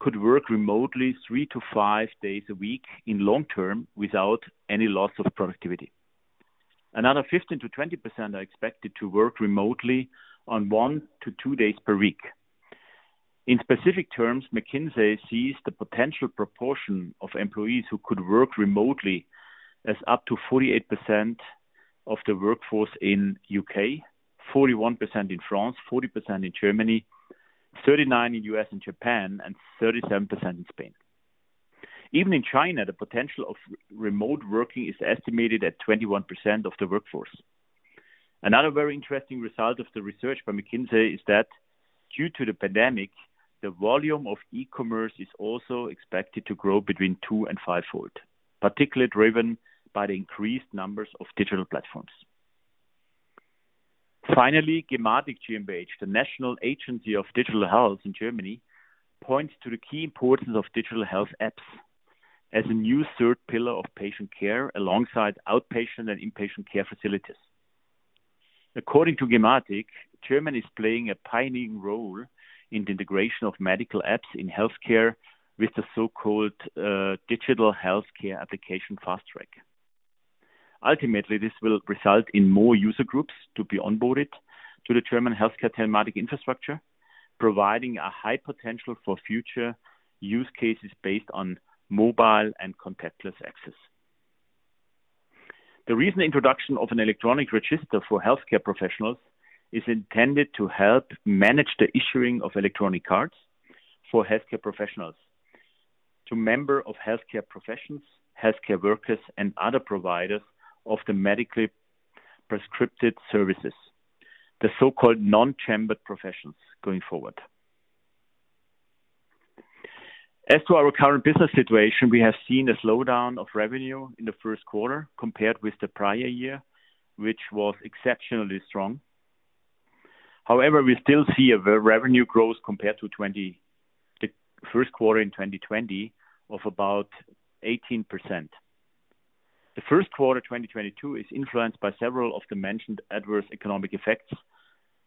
could work remotely three to five days a week in long term without any loss of productivity. Another 15%-20% are expected to work remotely on one to two days per week. In specific terms, McKinsey sees the potential proportion of employees who could work remotely as up to 48% of the workforce in U.K., 41% in France, 40% in Germany, 39% in U.S. and Japan, and 37% in Spain. Even in China, the potential of remote working is estimated at 21% of the workforce. Another very interesting result of the research by McKinsey is that due to the pandemic, the volume of e-commerce is also expected to grow between 2- and 5-fold, particularly driven by the increased numbers of digital platforms. Finally, gematik GmbH, the National Agency of Digital Health in Germany, points to the key importance of Digital Health apps as a new third pillar of patient care alongside outpatient and inpatient care facilities. According to gematik, Germany is playing a pioneering role in the integration of medical apps in healthcare with the so-called DiGA Fast Track. Ultimately, this will result in more user groups to be onboarded to the German healthcare telematics infrastructure, providing a high potential for future use cases based on mobile and contactless access. The recent introduction of an electronic register for healthcare professionals is intended to help manage the issuing of electronic cards for healthcare professionals to members of healthcare professions, healthcare workers, and other providers of the medically prescribed services, the so-called non-chambered professions going forward. As to our current business situation, we have seen a slowdown of revenue in the first quarter compared with the prior year, which was exceptionally strong. However, we still see a revenue growth compared to the first quarter in 2020 of about 18%. The first quarter 2022 is influenced by several of the mentioned adverse economic effects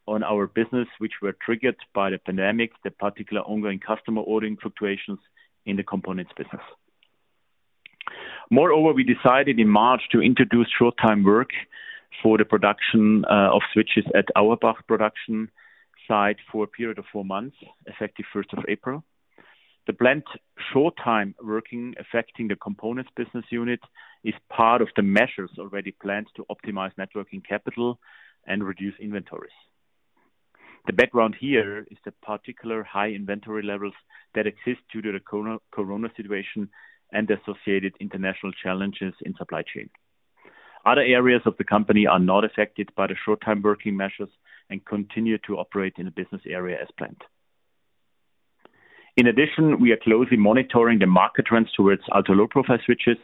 on our business, which were triggered by the pandemic, the particular ongoing customer ordering fluctuations in the components business. Moreover, we decided in March to introduce short-time work for the production of switches at Auerbach production site for a period of four months, effective April 1. The planned short-time working affecting the components business unit is part of the measures already planned to optimize net working capital and reduce inventories. The background here is the particularly high inventory levels that exist due to the COVID-19 situation and associated international challenges in supply chain. Other areas of the company are not affected by the short-time working measures and continue to operate in the business area as planned. In addition, we are closely monitoring the market trends towards ultra-low profile switches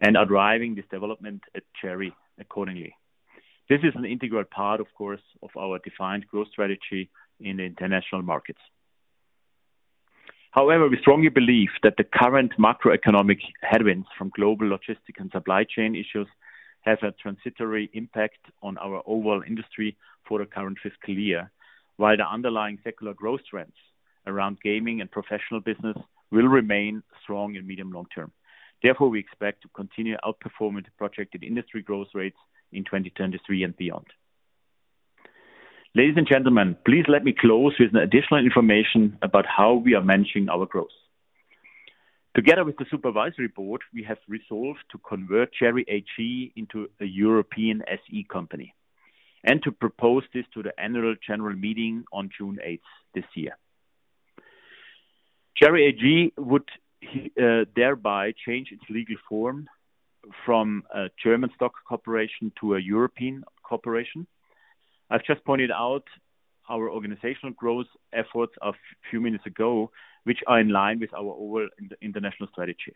and are driving this development at Cherry accordingly. This is an integral part, of course, of our defined growth strategy in the international markets. However, we strongly believe that the current macroeconomic headwinds from global logistics and supply chain issues have a transitory impact on our overall industry for the current fiscal year, while the underlying secular growth trends around gaming and professional business will remain strong in medium long term. Therefore, we expect to continue outperforming the projected industry growth rates in 2023 and beyond. Ladies and gentlemen, please let me close with additional information about how we are managing our growth. Together with the supervisory board, we have resolved to convert Cherry AG into a European SE company. To propose this to the annual general meeting on June eighth this year. Cherry AG would thereby change its legal form from a German stock corporation to a European corporation. I've just pointed out our organizational growth efforts a few minutes ago, which are in line with our overall international strategy.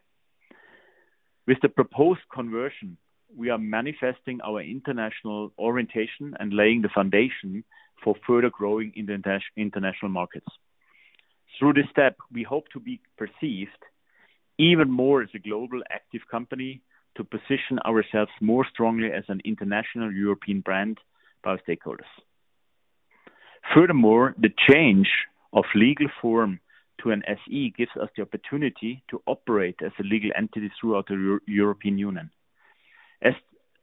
With the proposed conversion, we are manifesting our international orientation and laying the foundation for further growing in the international markets. Through this step, we hope to be perceived even more as a global active company to position ourselves more strongly as an international European brand by our stakeholders. Furthermore, the change of legal form to an SE gives us the opportunity to operate as a legal entity throughout the European Union. As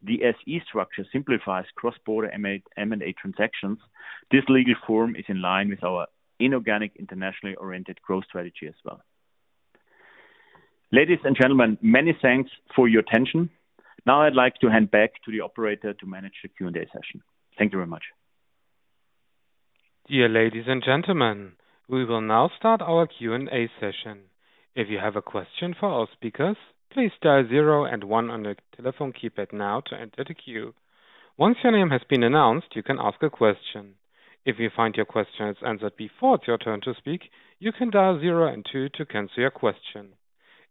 the SE structure simplifies cross-border M&A, M&A transactions, this legal form is in line with our inorganic, internationally oriented growth strategy as well. Ladies and gentlemen, many thanks for your attention. Now I'd like to hand back to the operator to manage the Q&A session. Thank you very much. Dear ladies and gentlemen, we will now start our Q&A session. If you have a question for our speakers, please dial 0 and 1 on your telephone keypad now to enter the queue. Once your name has been announced, you can ask a question. If you find your question is answered before it's your turn to speak, you can dial 0 and 2 to cancel your question.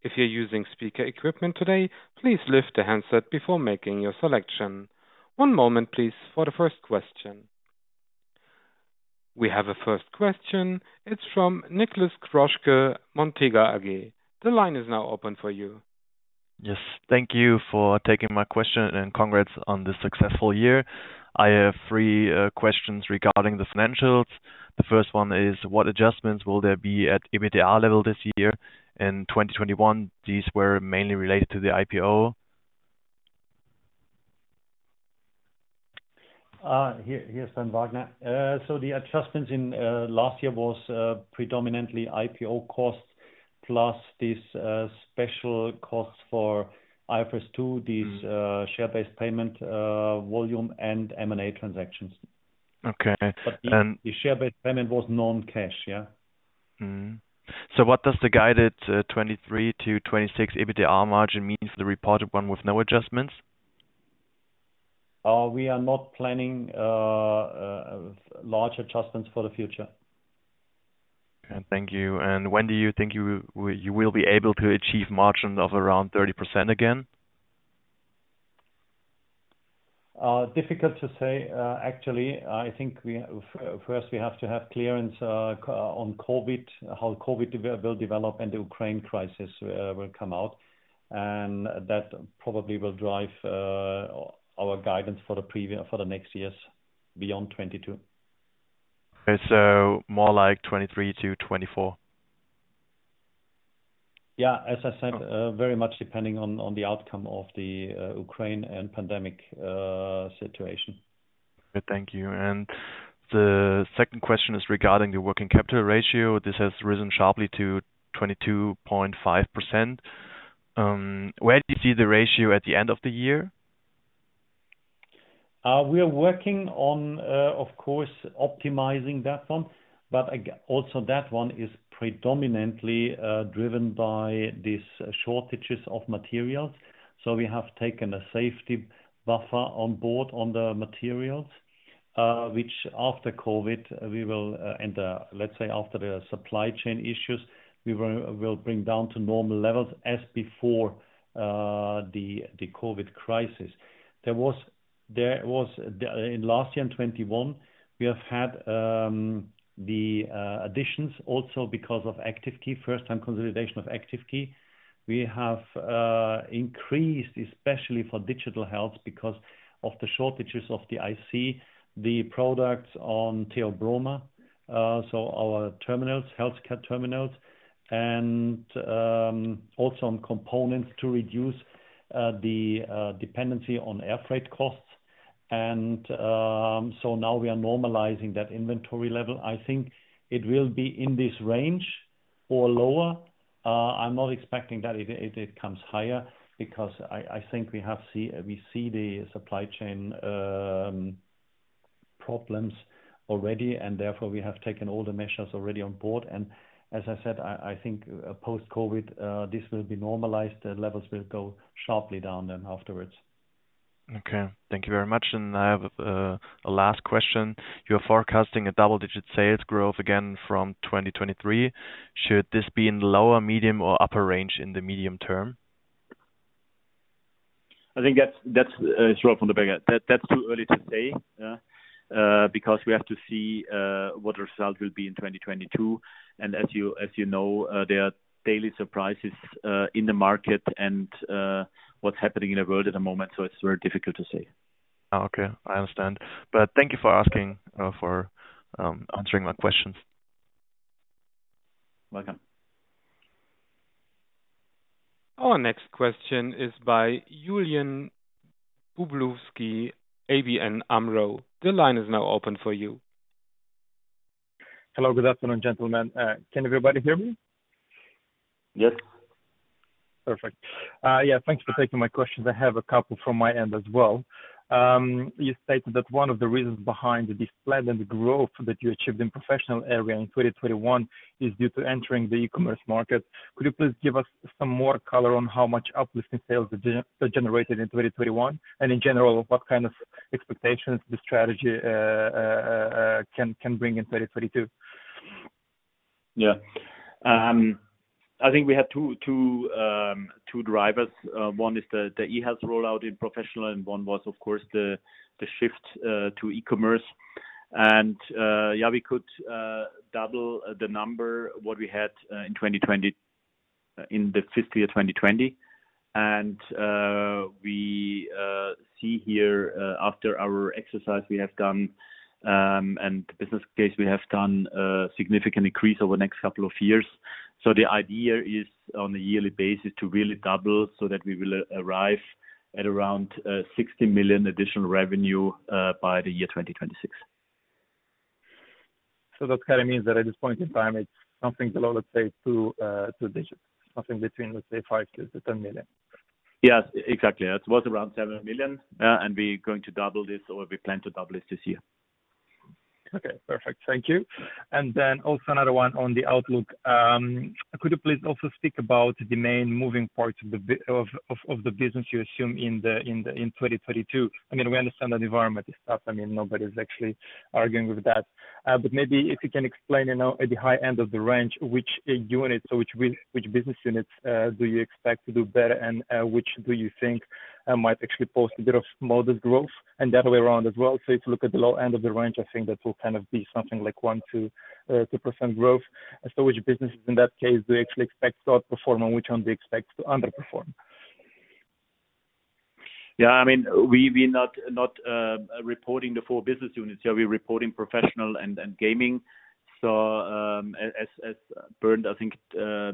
If you're using speaker equipment today, please lift the handset before making your selection. One moment, please, for the first question. We have a first question. It's from Niklas Krösche, Montega AG. The line is now open for you. Yes. Thank you for taking my question, and congrats on the successful year. I have three questions regarding the financials. The first one is what adjustments will there be at EBITDA level this year? In 2021, these were mainly related to the IPO. Bernd Wagner. The adjustments in last year was predominantly IPO costs, plus these special costs for IFRS 2, these share-based payment volume and M&A transactions. Okay. The share-based payment was non-cash, yeah? What does the guided 23%-26% EBITDA margin mean for the reported one with no adjustments? We are not planning large adjustments for the future. Thank you. When do you think you will be able to achieve margin of around 30% again? Difficult to say, actually. I think first we have to have clarity on COVID, how COVID will develop, and the Ukraine crisis will come out, and that probably will drive our guidance for the next years beyond 2022. More like 2023-2024? Yeah. As I said, very much depending on the outcome of the Ukraine and pandemic situation. Thank you. The second question is regarding the working capital ratio. This has risen sharply to 22.5%. Where do you see the ratio at the end of the year? We are working on, of course, optimizing that one, but also that one is predominantly driven by these shortages of materials. We have taken a safety buffer on board on the materials, which after COVID we will, let's say, after the supply chain issues, we will bring down to normal levels as before the COVID crisis. There was in last year, in 2021, we have had the additions also because of Active Key, first time consolidation of Active Key. We have increased, especially for Digital Health because of the shortages of the IC, the products on Theobroma, so our terminals, healthcare terminals, and also on components to reduce the dependency on air freight costs. Now we are normalizing that inventory level. I think it will be in this range or lower. I'm not expecting that it comes higher because I think we see the supply chain problems already and therefore we have taken all the measures already on board. As I said, I think post-COVID this will be normalized. The levels will go sharply down then afterwards. Okay. Thank you very much. I have a last question. You're forecasting a double-digit sales growth again from 2023. Should this be in lower, medium or upper range in the medium term? I think that's straight from the beginning. That's too early to say, yeah, because we have to see what result will be in 2022. As you know, there are daily surprises in the market and what's happening in the world at the moment, so it's very difficult to say. Oh, okay. I understand. Thank you for answering my questions. Welcome. Our next question is by Julian Dobrovolschi, ABN AMRO. The line is now open for you. Hello, good afternoon, gentlemen. Can everybody hear me? Yes. Perfect. Yeah, thank you for taking my questions. I have a couple from my end as well. You stated that one of the reasons behind the splendid growth that you achieved in professional area in 2021 is due to entering the e-commerce market. Could you please give us some more color on how much uplift in sales did it generate in 2021? And in general, what kind of expectations the strategy can bring in 2022? Yeah. I think we had two drivers. One is the eHealth rollout in professional, and one was, of course, the shift to e-commerce. We could double the number what we had in 2020, in the fifth year, 2020. We see here, after our exercise we have done, and business case, we have done a significant increase over the next couple of years. The idea is, on a yearly basis, to really double so that we will arrive at around 60 million additional revenue by the year 2026. That kind of means that at this point in time, it's something below, let's say, two digits, something between, let's say 5 million-10 million. Yes, exactly. It was around 7 million. We're going to double this, or we plan to double this year. Okay. Perfect. Thank you. Then also another one on the outlook. Could you please also speak about the main moving parts of the business you assume in 2022? I mean, we understand that environment is tough. I mean, nobody's actually arguing with that. But maybe if you can explain, you know, at the high end of the range, which units or which business units do you expect to do better and which do you think might actually post a bit of modest growth? The other way around as well, so if you look at the low end of the range, I think that will kind of be something like 1%-2% growth. As to which businesses in that case do you actually expect to outperform and which ones do you expect to underperform? Yeah, I mean, we're not reporting the full business units. Yeah, we're reporting professional and gaming. As Bernd, I think,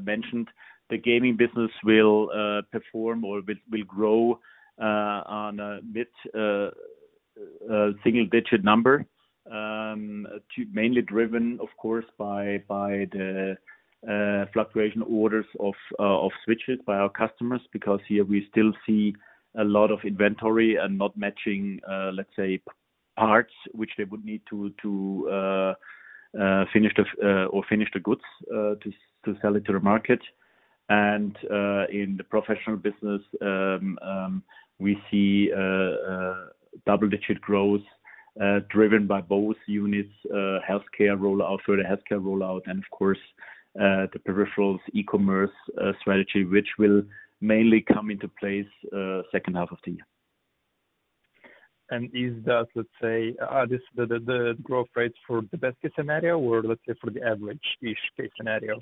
mentioned, the gaming business will perform or will grow by a single-digit number, mainly driven, of course, by the fluctuating orders of switches by our customers because here we still see a lot of inventory and not matching, let's say, parts which they would need to finish the goods to sell it to the market. In the professional business, we see double-digit growth driven by both units, healthcare rollout, and of course, the peripherals e-commerce strategy, which will mainly come into place second half of the year. Is that, let's say, the growth rates for the best case scenario or let's say for the average-ish case scenario?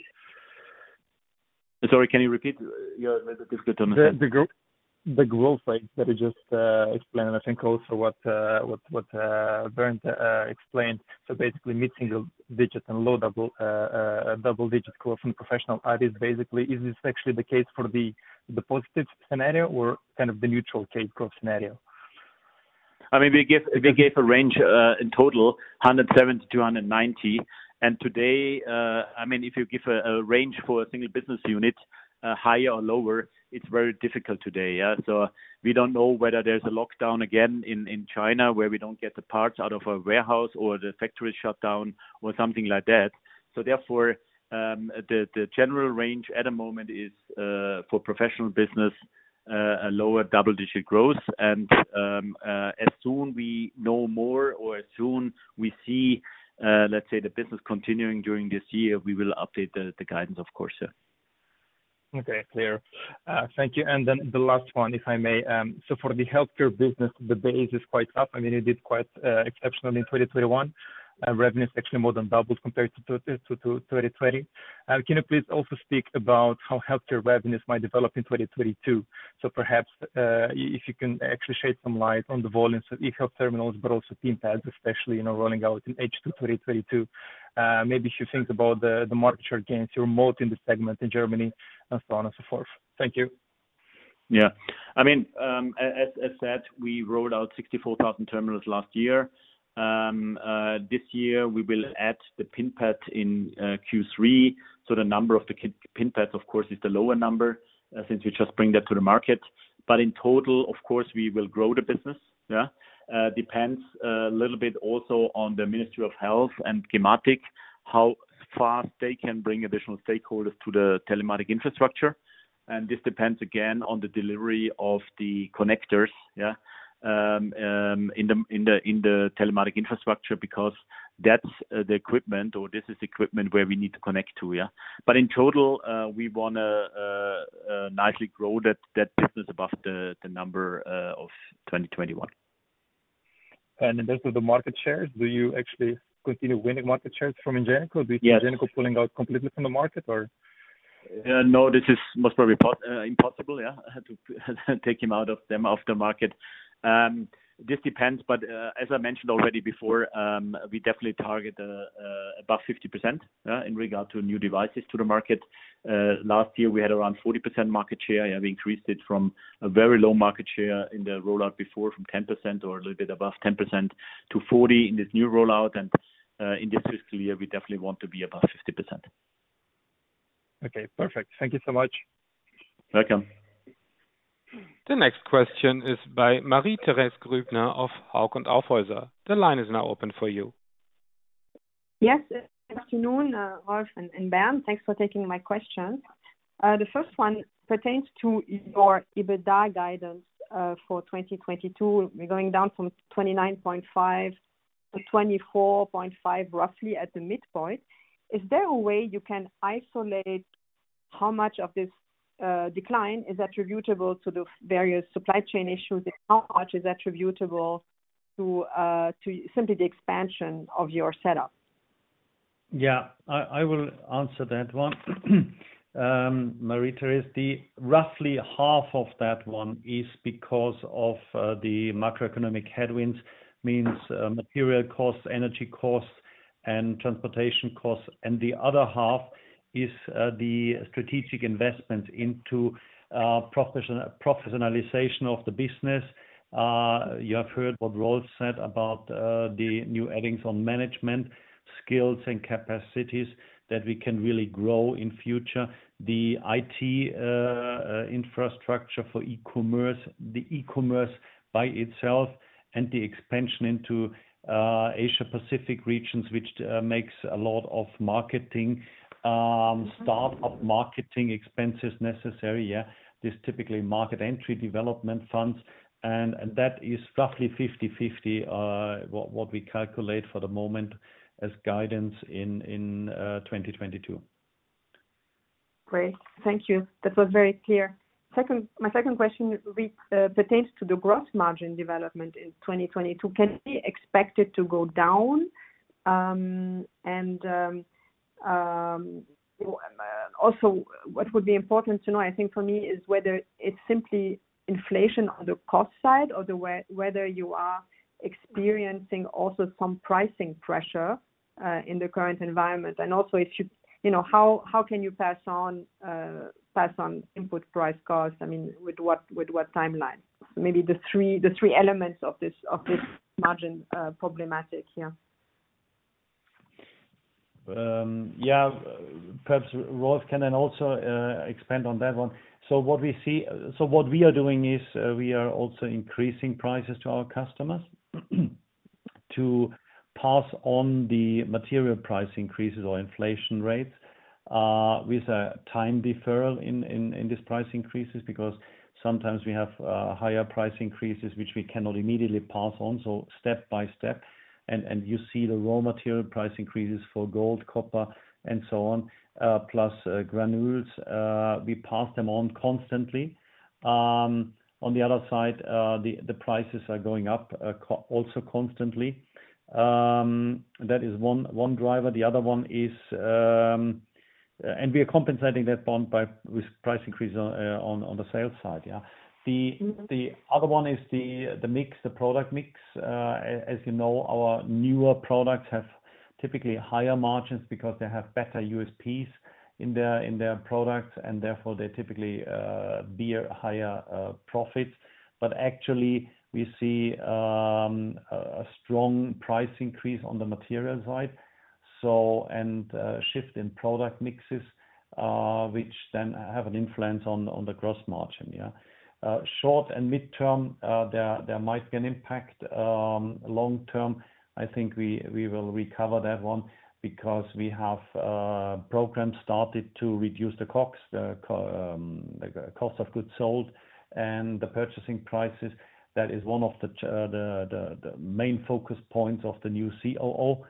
Sorry, can you repeat? Your The, the grow- It's a bit difficult to understand. The growth rates that you just explained and I think also what Bernd explained. Basically mid-single digits and low double-digit growth from professional. Is this actually the case for the positive scenario or kind of the neutral case growth scenario? I mean, we gave a range in total 107-290. Today, I mean, if you give a range for a single business unit higher or lower, it's very difficult today, yeah? We don't know whether there's a lockdown again in China where we don't get the parts out of a warehouse or the factory shut down or something like that. Therefore, the general range at the moment is for professional business a lower double-digit growth. As soon as we know more or as soon as we see, let's say, the business continuing during this year, we will update the guidance, of course, sir. Okay. Clear. Thank you. Then the last one, if I may. For the healthcare business, the base is quite up. I mean, you did quite exceptionally in 2021. Revenue is actually more than doubled compared to 2020. Can you please also speak about how healthcare revenues might develop in 2022? Perhaps if you can actually shed some light on the volumes of eHealth terminals but also PIN pad, especially rolling out in H2 2022. Maybe if you think about the market share gains you're moving into the segment in Germany and so on and so forth. Thank you. Yeah. I mean, as said, we rolled out 64,000 terminals last year. This year we will add the PIN pad in Q3, so the number of the PIN pads, of course, is the lower number, since we just bring that to the market. In total, of course, we will grow the business. Yeah. It depends a little bit also on the Ministry of Health and Gematik, how fast they can bring additional stakeholders to the telematics infrastructure. This depends again on the delivery of the connectors in the telematics infrastructure because that's the equipment or this is equipment where we need to connect to. Yeah. In total, we wanna nicely grow that business above the number of 2021. In terms of the market shares, do you actually continue winning market shares from Ingenico? Yes. With Ingenico pulling out completely from the market or? No, this is most probably impossible to take them off the market. This depends, but as I mentioned already before, we definitely target above 50% in regard to new devices to the market. Last year we had around 40% market share. We increased it from a very low market share in the rollout before, from 10% or a little bit above 10% to 40% in this new rollout. In this fiscal year, we definitely want to be above 50%. Okay, perfect. Thank you so much. Welcome. The next question is by Marie-Thérèse Grübner of Hauck & Aufhäuser. The line is now open for you. Yes. Good afternoon, Rolf and Bernd. Thanks for taking my questions. The first one pertains to your EBITDA guidance for 2022. We're going down from 29.5-24.5, roughly at the midpoint. Is there a way you can isolate how much of this decline is attributable to the various supply chain issues and how much is attributable to simply the expansion of your setup? Yeah. I will answer that one. Marie-Thérèse, the roughly half of that one is because of the macroeconomic headwinds, means material costs, energy costs, and transportation costs. The other half is the strategic investment into professionalization of the business. You have heard what Rolf said about the new additions on management skills and capacities that we can really grow in future. The IT infrastructure for e-commerce, the e-commerce by itself and the expansion into Asia-Pacific regions, which makes a lot of marketing start of marketing expenses necessary, yeah. These typically market entry development funds, and that is roughly 50/50 what we calculate for the moment as guidance in 2022. Great. Thank you. That was very clear. Second, my second question pertains to the gross margin development in 2022. Can we expect it to go down? Also what would be important to know, I think, for me, is whether it's simply inflation on the cost side or whether you are experiencing also some pricing pressure in the current environment. Also if you know, how can you pass on input price costs, I mean, with what timeline? Maybe the three elements of this margin problematic here. Yeah. Perhaps Rolf can then also expand on that one. What we are doing is we are also increasing prices to our customers to pass on the material price increases or inflation rates with a time deferral in these price increases because sometimes we have higher price increases which we cannot immediately pass on so step by step. You see the raw material price increases for gold, copper, and so on plus granules. We pass them on constantly. On the other side the prices are going up also constantly. That is one driver. The other one is we are compensating that one by with price increase on the sales side yeah. The other one is the mix the product mix. As you know, our newer products have typically higher margins because they have better USPs in their products, and therefore, they typically bear higher profits. Actually, we see a strong price increase on the material side, and a shift in product mixes, which then have an influence on the gross margin. Short and midterm, there might be an impact. Long term, I think we will recover that one because we have programs started to reduce the COGS, the cost of goods sold and the purchasing prices. That is one of the main focus points of the new COO.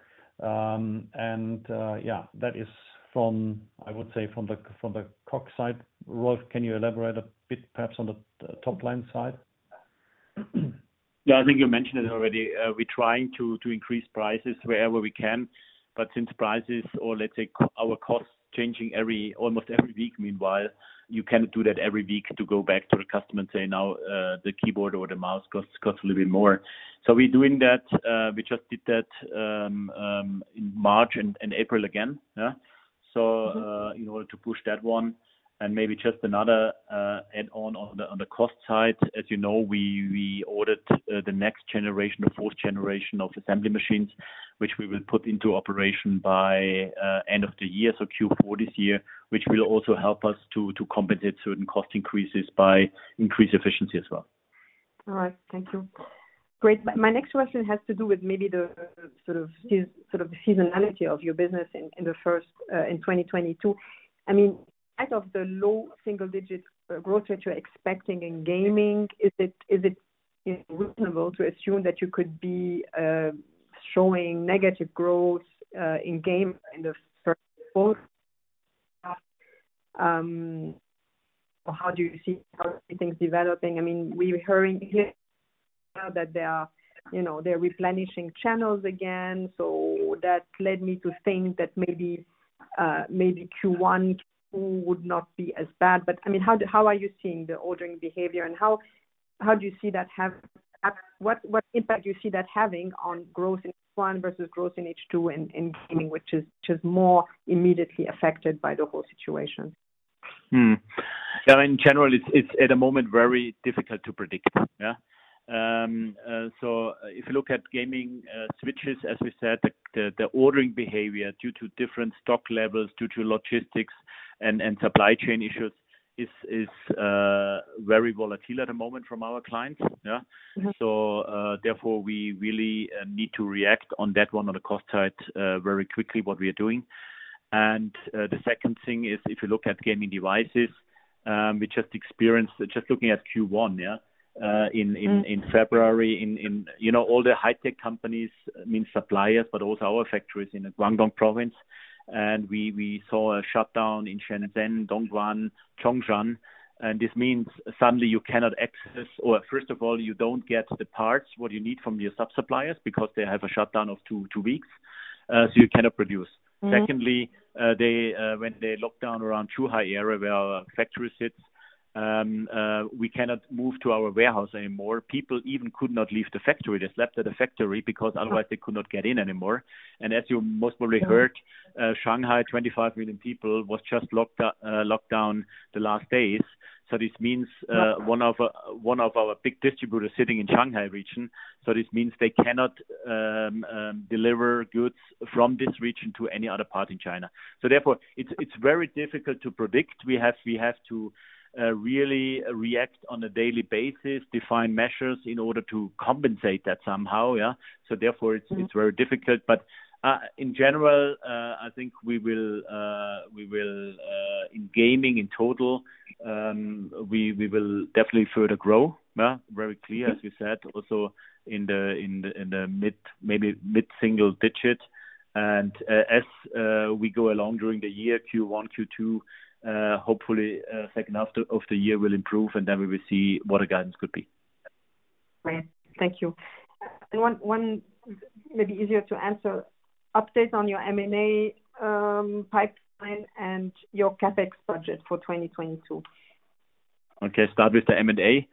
That is from, I would say, from the COGS side. Rolf, can you elaborate a bit, perhaps on the top-line side? Yeah, I think you mentioned it already. We're trying to increase prices wherever we can, but since our costs are changing almost every week, meanwhile, you cannot do that every week to go back to the customer and say, "Now, the keyboard or the mouse costs a little bit more." We're doing that. We just did that in March and April again, yeah. In order to push that one and maybe just another add on on the cost side. As you know, we ordered the next generation, the fourth generation of assembly machines, which we will put into operation by end of the year, so Q4 this year, which will also help us to compensate certain cost increases by increased efficiency as well. All right. Thank you. Great. My next question has to do with maybe the sort of sort of seasonality of your business in the first in 2022. I mean, out of the low single digits growth that you're expecting in gaming, is it reasonable to assume that you could be showing negative growth in gaming in the first quarter? Or how do you see things developing? I mean, we're hearing here that they are, you know, they're replenishing channels again. So that led me to think that maybe Q1, Q2 would not be as bad. But I mean, how do you see the ordering behavior, and how do you see that have... What impact do you see that having on growth in H1 versus growth in H2 in gaming, which is more immediately affected by the whole situation? Now in general, it's at the moment very difficult to predict. Yeah. If you look at gaming switches, as we said, the ordering behavior due to different stock levels, due to logistics and supply chain issues is very volatile at the moment from our clients, yeah. Mm-hmm. Therefore we really need to react on that one on the cost side very quickly, what we are doing. The second thing is, if you look at gaming devices, just looking at Q1, yeah. Mm. In February, you know, all the high-tech companies, meaning suppliers, but also our factories in the Guangdong province. We saw a shutdown in Shenzhen, Dongguan, Zhongshan. This means suddenly you cannot access, or first of all, you don't get the parts what you need from your sub-suppliers because they have a shutdown of two weeks, so you cannot produce. Mm. Secondly, when they locked down around Zhuhai area where our factory sits, we cannot move to our warehouse anymore. People even could not leave the factory. They slept at the factory because otherwise they could not get in anymore. As you most probably heard Yeah. Shanghai, 25 million people, was just locked down the last days. This means, Right. One of our big distributors sitting in Shanghai region, so this means they cannot deliver goods from this region to any other part in China. It's very difficult to predict. We have to really react on a daily basis, define measures in order to compensate that somehow, yeah. Mm-hmm. It's very difficult, but in general, I think we will in gaming in total, we will definitely further grow, yeah. Very clear, as we said, also in the mid, maybe mid-single digit. As we go along during the year, Q1, Q2, hopefully, second half of the year will improve, and then we will see what our guidance could be. Great. Thank you. One, maybe easier to answer. Update on your M&A pipeline and your CapEx budget for 2022. Okay. Start with the M&A.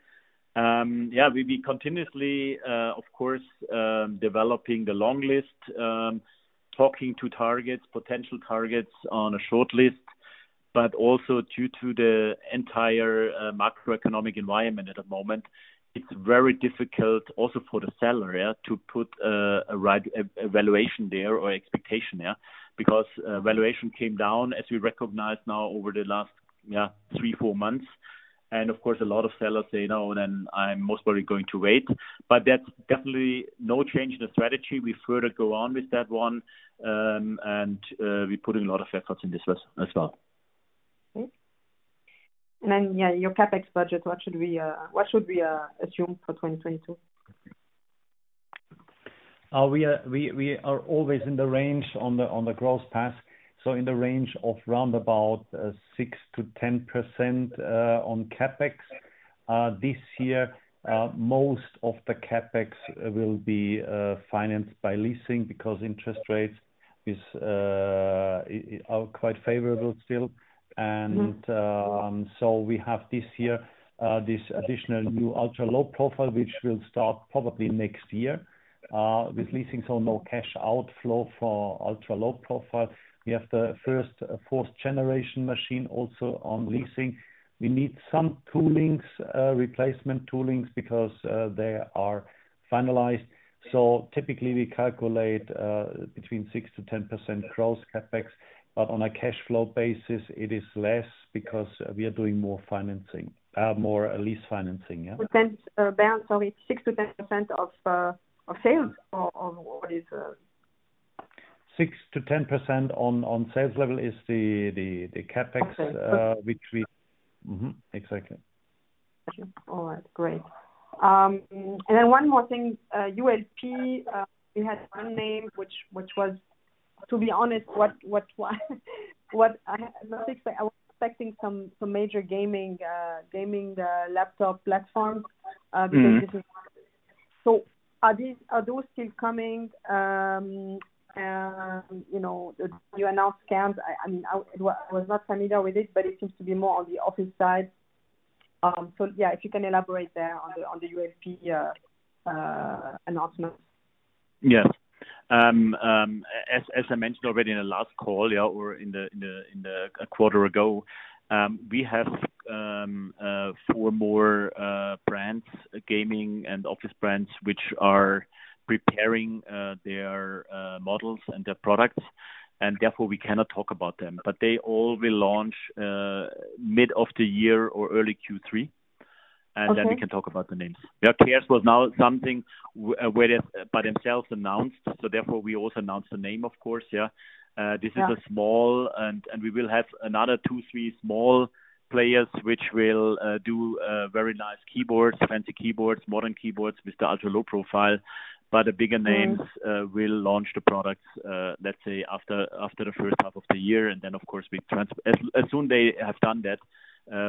We'll be continuously, of course, developing the long list, talking to targets, potential targets on a short list, but also due to the entire macroeconomic environment at the moment, it's very difficult also for the seller to put a valuation there or expectation. Because valuation came down, as we recognize now over the last 3, 4 months. Of course, a lot of sellers say, "No, then I'm most probably going to wait." But that's definitely no change in the strategy. We further go on with that one. We're putting a lot of efforts in this as well. Okay. Yeah, your CapEx budget, what should we assume for 2022? We are always in the range on the growth path, so in the range of round about 6%-10% on CapEx. This year, most of the CapEx will be financed by leasing because interest rates are quite favorable still. Mm-hmm. We have this year this additional new ultra-low profile which will start probably next year with leasing, so no cash outflow for ultra-low profile. We have the first fourth generation machine also on leasing. We need some toolings, replacement toolings because they are finalized. Typically we calculate between 6%-10% growth CapEx, but on a cash flow basis, it is less because we are doing more financing, more lease financing. Bernd, sorry, 6%-10% of sales or what is? 6%-10% on sales level is the CapEx- Okay. Mm-hmm. Exactly. All right. Great. One more thing, ULP, you had one name, which was, to be honest, what I was expecting some major gaming laptop platforms. Mm-hmm. Because this is one. Are those still coming? You know, you announced camps. I mean, I was not familiar with it, but it seems to be more on the office side. Yeah, if you can elaborate there on the ULP announcement. Yeah, as I mentioned already in the last call, yeah, or a quarter ago, we have four more brands, gaming and office brands, which are preparing their models and their products, and therefore we cannot talk about them. They all will launch mid of the year or early Q3. Okay. Then we can talk about the names. Yeah, KS was now something where they by themselves announced, so therefore we also announced the name, of course, yeah. Yeah. This is a small and we will have another two, three small players which will do very nice keyboards, fancy keyboards, modern keyboards with the Ultra-Low Profile. The bigger names- Mm-hmm. We will launch the products, let's say after the first half of the year. Then of course, as soon as they have done that,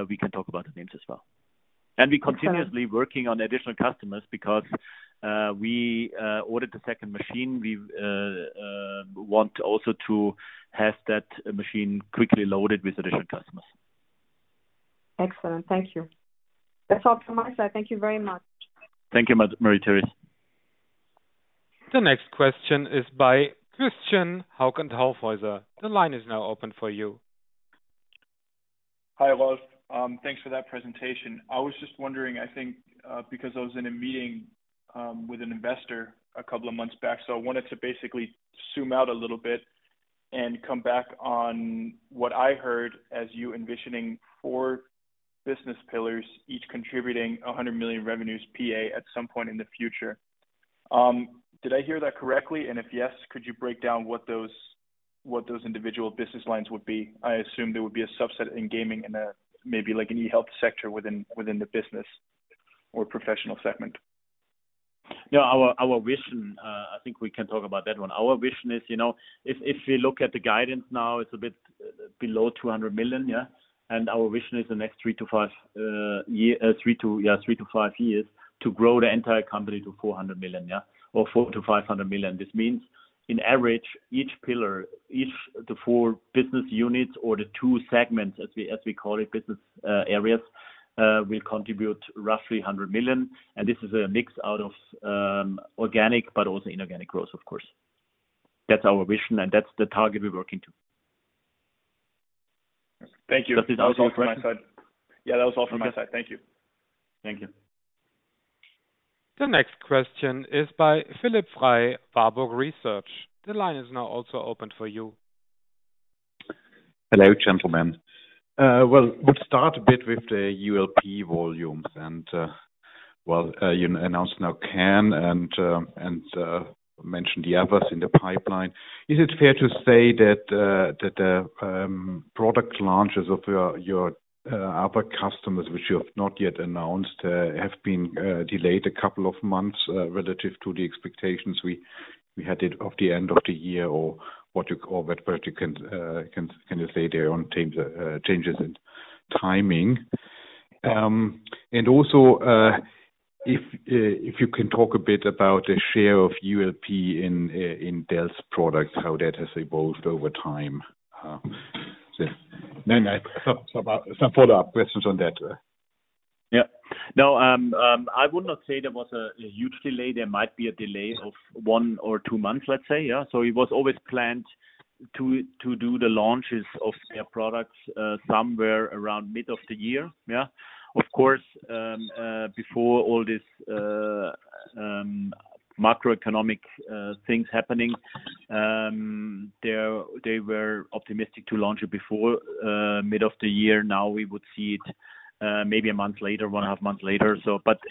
we can talk about the names as well. Okay. We continuously working on additional customers because we ordered the second machine. We want also to have that machine quickly loaded with additional customers. Excellent. Thank you. That's all from my side. Thank you very much. Thank you, Marie-Thérèse. The next question is by Christian, Hauck & Aufhäuser. The line is now open for you. Hi, Rolf. Thanks for that presentation. I was just wondering, I think, because I was in a meeting with an investor a couple of months back, so I wanted to basically zoom out a little bit and come back on what I heard as you envisioning four business pillars, each contributing 100 million revenues PA at some point in the future. Did I hear that correctly? If yes, could you break down what those individual business lines would be? I assume there would be a subset in gaming and maybe like an eHealth sector within the business or professional segment. Yeah. Our vision, I think we can talk about that one. Our vision is, if we look at the guidance now, it's a bit below 200 million. Our vision is the next three to five years to grow the entire company to 400 million. Or 400 million-500 million. This means in average, each pillar, each the four business units or the two segments, as we call it, business areas, will contribute roughly 100 million. This is a mix out of organic, but also inorganic growth, of course. That's our vision, and that's the target we're working to. Thank you. Does that answer your question? That was all from my side. Yeah, that was all from my side. Thank you. Thank you. The next question is by Philip Frey, Warburg Research. The line is now also open for you. Hello, gentlemen. Well, we'll start a bit with the ULP volumes and you announced now CAN and mentioned the others in the pipeline. Is it fair to say that the product launches of your other customers, which you have not yet announced, have been delayed a couple of months relative to the expectations we had at the end of the year or what you call that, what you can say there on the changes in timing? Also, if you can talk a bit about the share of ULP in Dell's products, how that has evolved over time. I have some follow-up questions on that. No, I would not say there was a huge delay. There might be a delay of one or two months, let's say. It was always planned to do the launches of their products somewhere around mid of the year. Of course, before all this macroeconomic things happening, they were optimistic to launch it before mid of the year. Now we would see it maybe a month later, one half month later.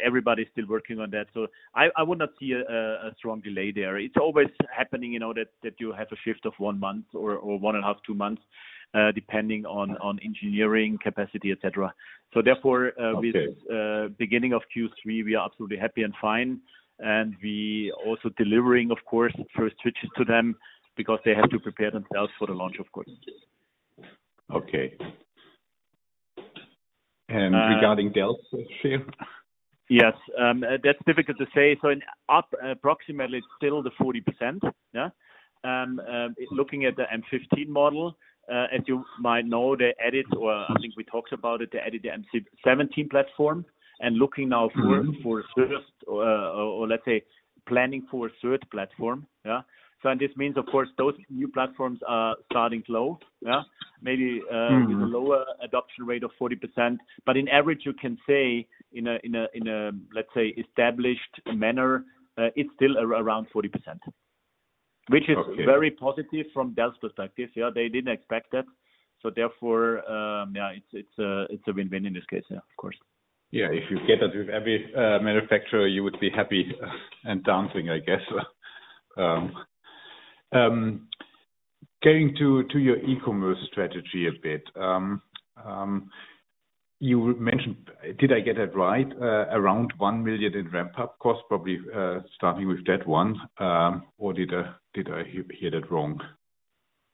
Everybody's still working on that. I would not see a strong delay there. It's always happening, you know, that you have a shift of one month or one and a half, two months depending on engineering capacity, et cetera. Therefore Okay. With beginning of Q3, we are absolutely happy and fine. We also delivering, of course, first switches to them because they have to prepare themselves for the launch, of course. Okay. Regarding Dell's share? Yes. That's difficult to say. In approximately still 40%. Looking at the M15 model, as you might know, they added or I think we talked about it, they added the M17 platform and looking now- Mm-hmm. For first, or let's say planning for a third platform. Yeah. This means, of course, those new platforms are starting slow. Yeah. Maybe Mm-hmm. With a lower adoption rate of 40%. On average, you can say, let's say, in an established manner, it's still around 40%. Okay. Which is very positive from Dell's perspective. Yeah, they didn't expect that. Therefore, yeah, it's a win-win in this case. Yeah, of course. Yeah. If you get that with every manufacturer, you would be happy and dancing, I guess. Getting to your e-commerce strategy a bit. You mentioned, did I get it right, around 1 million in ramp-up costs, probably starting with that one, or did I hear that wrong?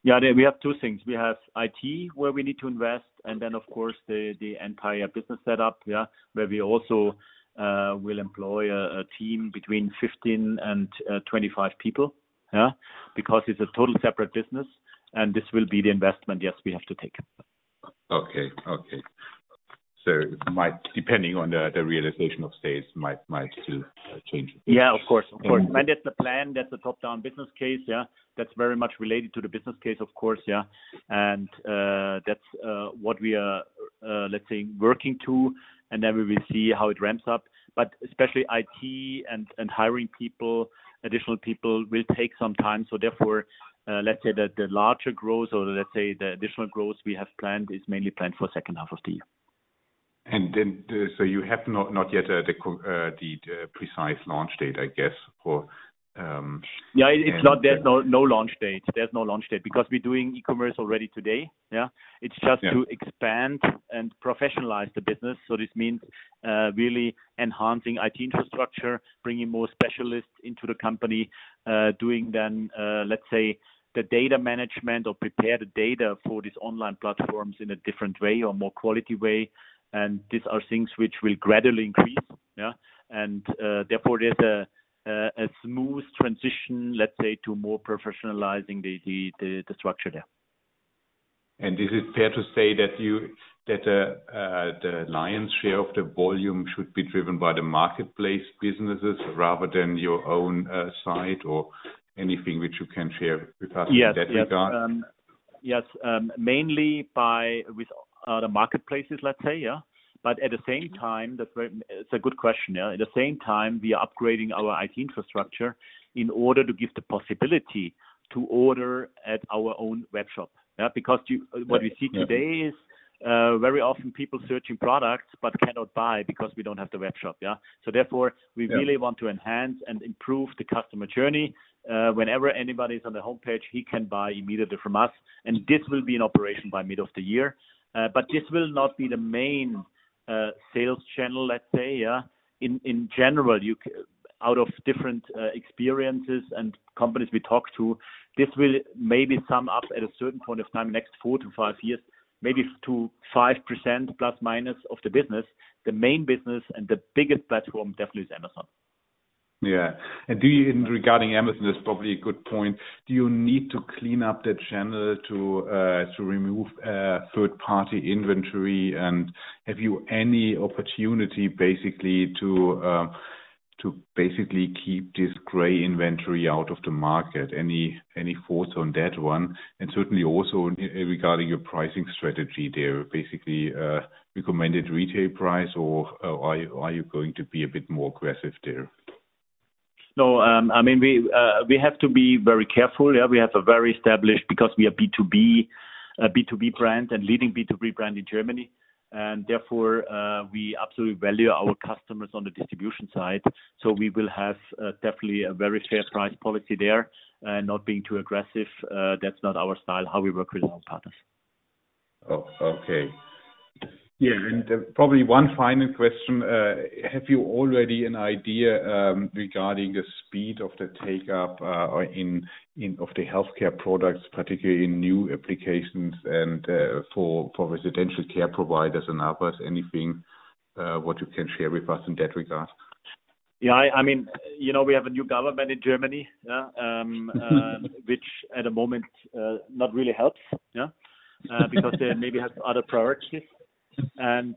Yeah. We have two things. We have IT, where we need to invest, and then of course the entire business setup, yeah. Where we also will employ a team between 15 and 25 people. Yeah. Because it's a total separate business, and this will be the investment, yes, we have to take. Might, depending on the realization of sales, still change a bit. Yeah, of course. Of course. And- When that's the plan, that's a top-down business case. Yeah. That's very much related to the business case, of course. Yeah. That's what we are, let's say, working to, and then we will see how it ramps up. Especially IT and hiring people, additional people will take some time. Therefore, let's say that the larger growth or let's say the additional growth we have planned is mainly planned for second half of the year. you have not yet the precise launch date, I guess, for Yeah. There's no launch date because we're doing e-commerce already today. Yeah. Yeah. It's just to expand and professionalize the business. This means, really enhancing IT infrastructure, bringing more specialists into the company, doing then, let's say, the data management or prepare the data for these online platforms in a different way or more quality way. These are things which will gradually increase. Yeah. Therefore, there's a smooth transition, let's say, to more professionalizing the structure there. Is it fair to say that the lion's share of the volume should be driven by the marketplace businesses rather than your own site or anything which you can share with us in that regard? Yes. Mainly by with the marketplaces, let's say, yeah. At the same time, it's a good question, yeah. At the same time, we are upgrading our IT infrastructure in order to give the possibility to order at our own webshop, yeah. Because you, what we see today is, very often people searching products but cannot buy because we don't have the webshop, yeah. Therefore, we really want to enhance and improve the customer journey. Whenever anybody's on the homepage, he can buy immediately from us, and this will be in operation by mid of the year. This will not be the main sales channel, let's say, yeah. In general, out of different experiences and companies we talk to, this will maybe sum up at a certain point of time, next four to five years, maybe to 5% ± of the business. The main business and the biggest platform definitely is Amazon. Yeah. Regarding Amazon, this is probably a good point. Do you need to clean up the channel to remove third-party inventory? Have you any opportunity basically to keep this gray inventory out of the market? Any thoughts on that one, and certainly also regarding your pricing strategy there, basically recommended retail price or are you going to be a bit more aggressive there? No. I mean, we have to be very careful, yeah. We have a very established because we are B2B, a B2B brand and leading B2B brand in Germany and therefore, we absolutely value our customers on the distribution side. We will have definitely a very fair price policy there, not being too aggressive. That's not our style, how we work with our partners. Probably one final question. Have you already an idea regarding the speed of the take-up or intake of the healthcare products, particularly in new applications and for residential care providers and others? Anything that you can share with us in that regard? I mean, you know, we have a new government in Germany, which at the moment not really helps. Because they maybe have other priorities and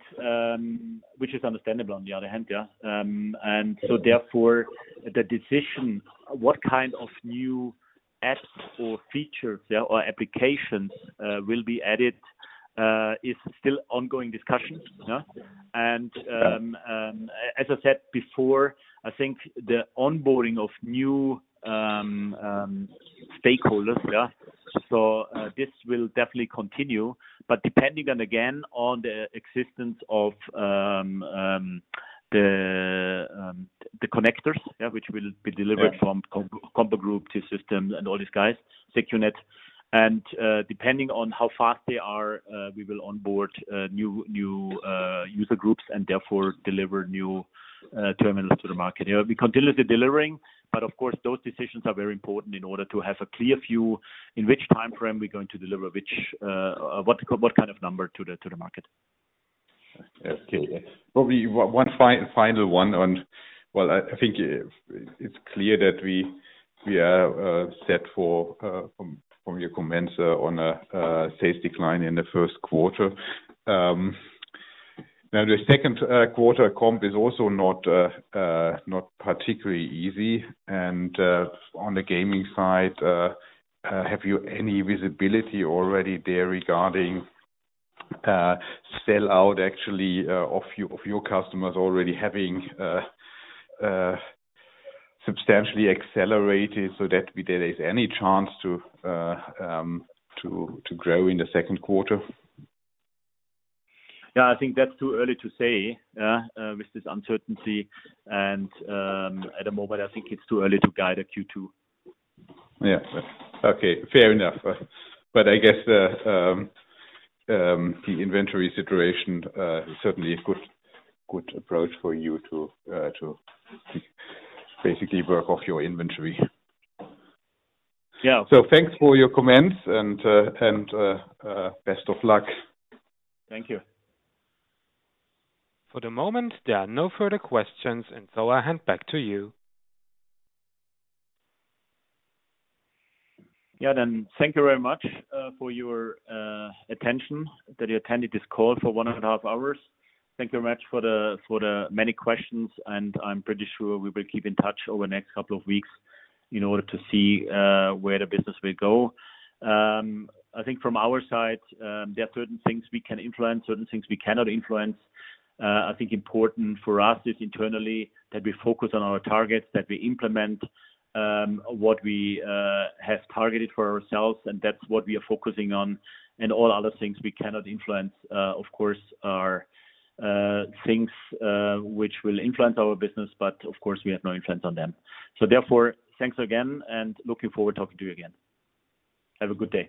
which is understandable on the other hand. Therefore, the decision what kind of new apps or features there or applications will be added is still ongoing discussions. As I said before, I think the onboarding of new stakeholders. This will definitely continue. But depending on, again, on the existence of the connectors, which will be delivered from CompuGroup to systems and all these guys, Secunet. Depending on how fast they are, we will onboard new user groups and therefore deliver new terminals to the market. Yeah, we continue the delivering, but of course, those decisions are very important in order to have a clear view in which timeframe we're going to deliver which, what to call, what kind of number to the market. Okay. Yeah. Probably one final one. Well, I think it's clear that we are set for, from your comments, on a sales decline in the first quarter. Now the second quarter comp is also not particularly easy. On the gaming side, have you any visibility already there regarding sellout actually of your customers already having substantially accelerated so that there is any chance to grow in the second quarter? Yeah, I think that's too early to say, yeah, with this uncertainty and, at the moment, I think it's too early to guide a Q2. Yeah. Okay. Fair enough. I guess the inventory situation certainly a good approach for you to basically work off your inventory. Yeah. Thanks for your comments and best of luck. Thank you. For the moment, there are no further questions, and so I hand back to you. Yeah. Thank you very much for your attention that you attended this call for one and a half hours. Thank you very much for the many questions, and I'm pretty sure we will keep in touch over the next couple of weeks in order to see where the business will go. I think from our side, there are certain things we can influence, certain things we cannot influence. I think important for us is internally that we focus on our targets, that we implement what we have targeted for ourselves, and that's what we are focusing on. All other things we cannot influence, of course, are things which will influence our business, but of course, we have no influence on them. Therefore, thanks again and looking forward talking to you again. Have a good day.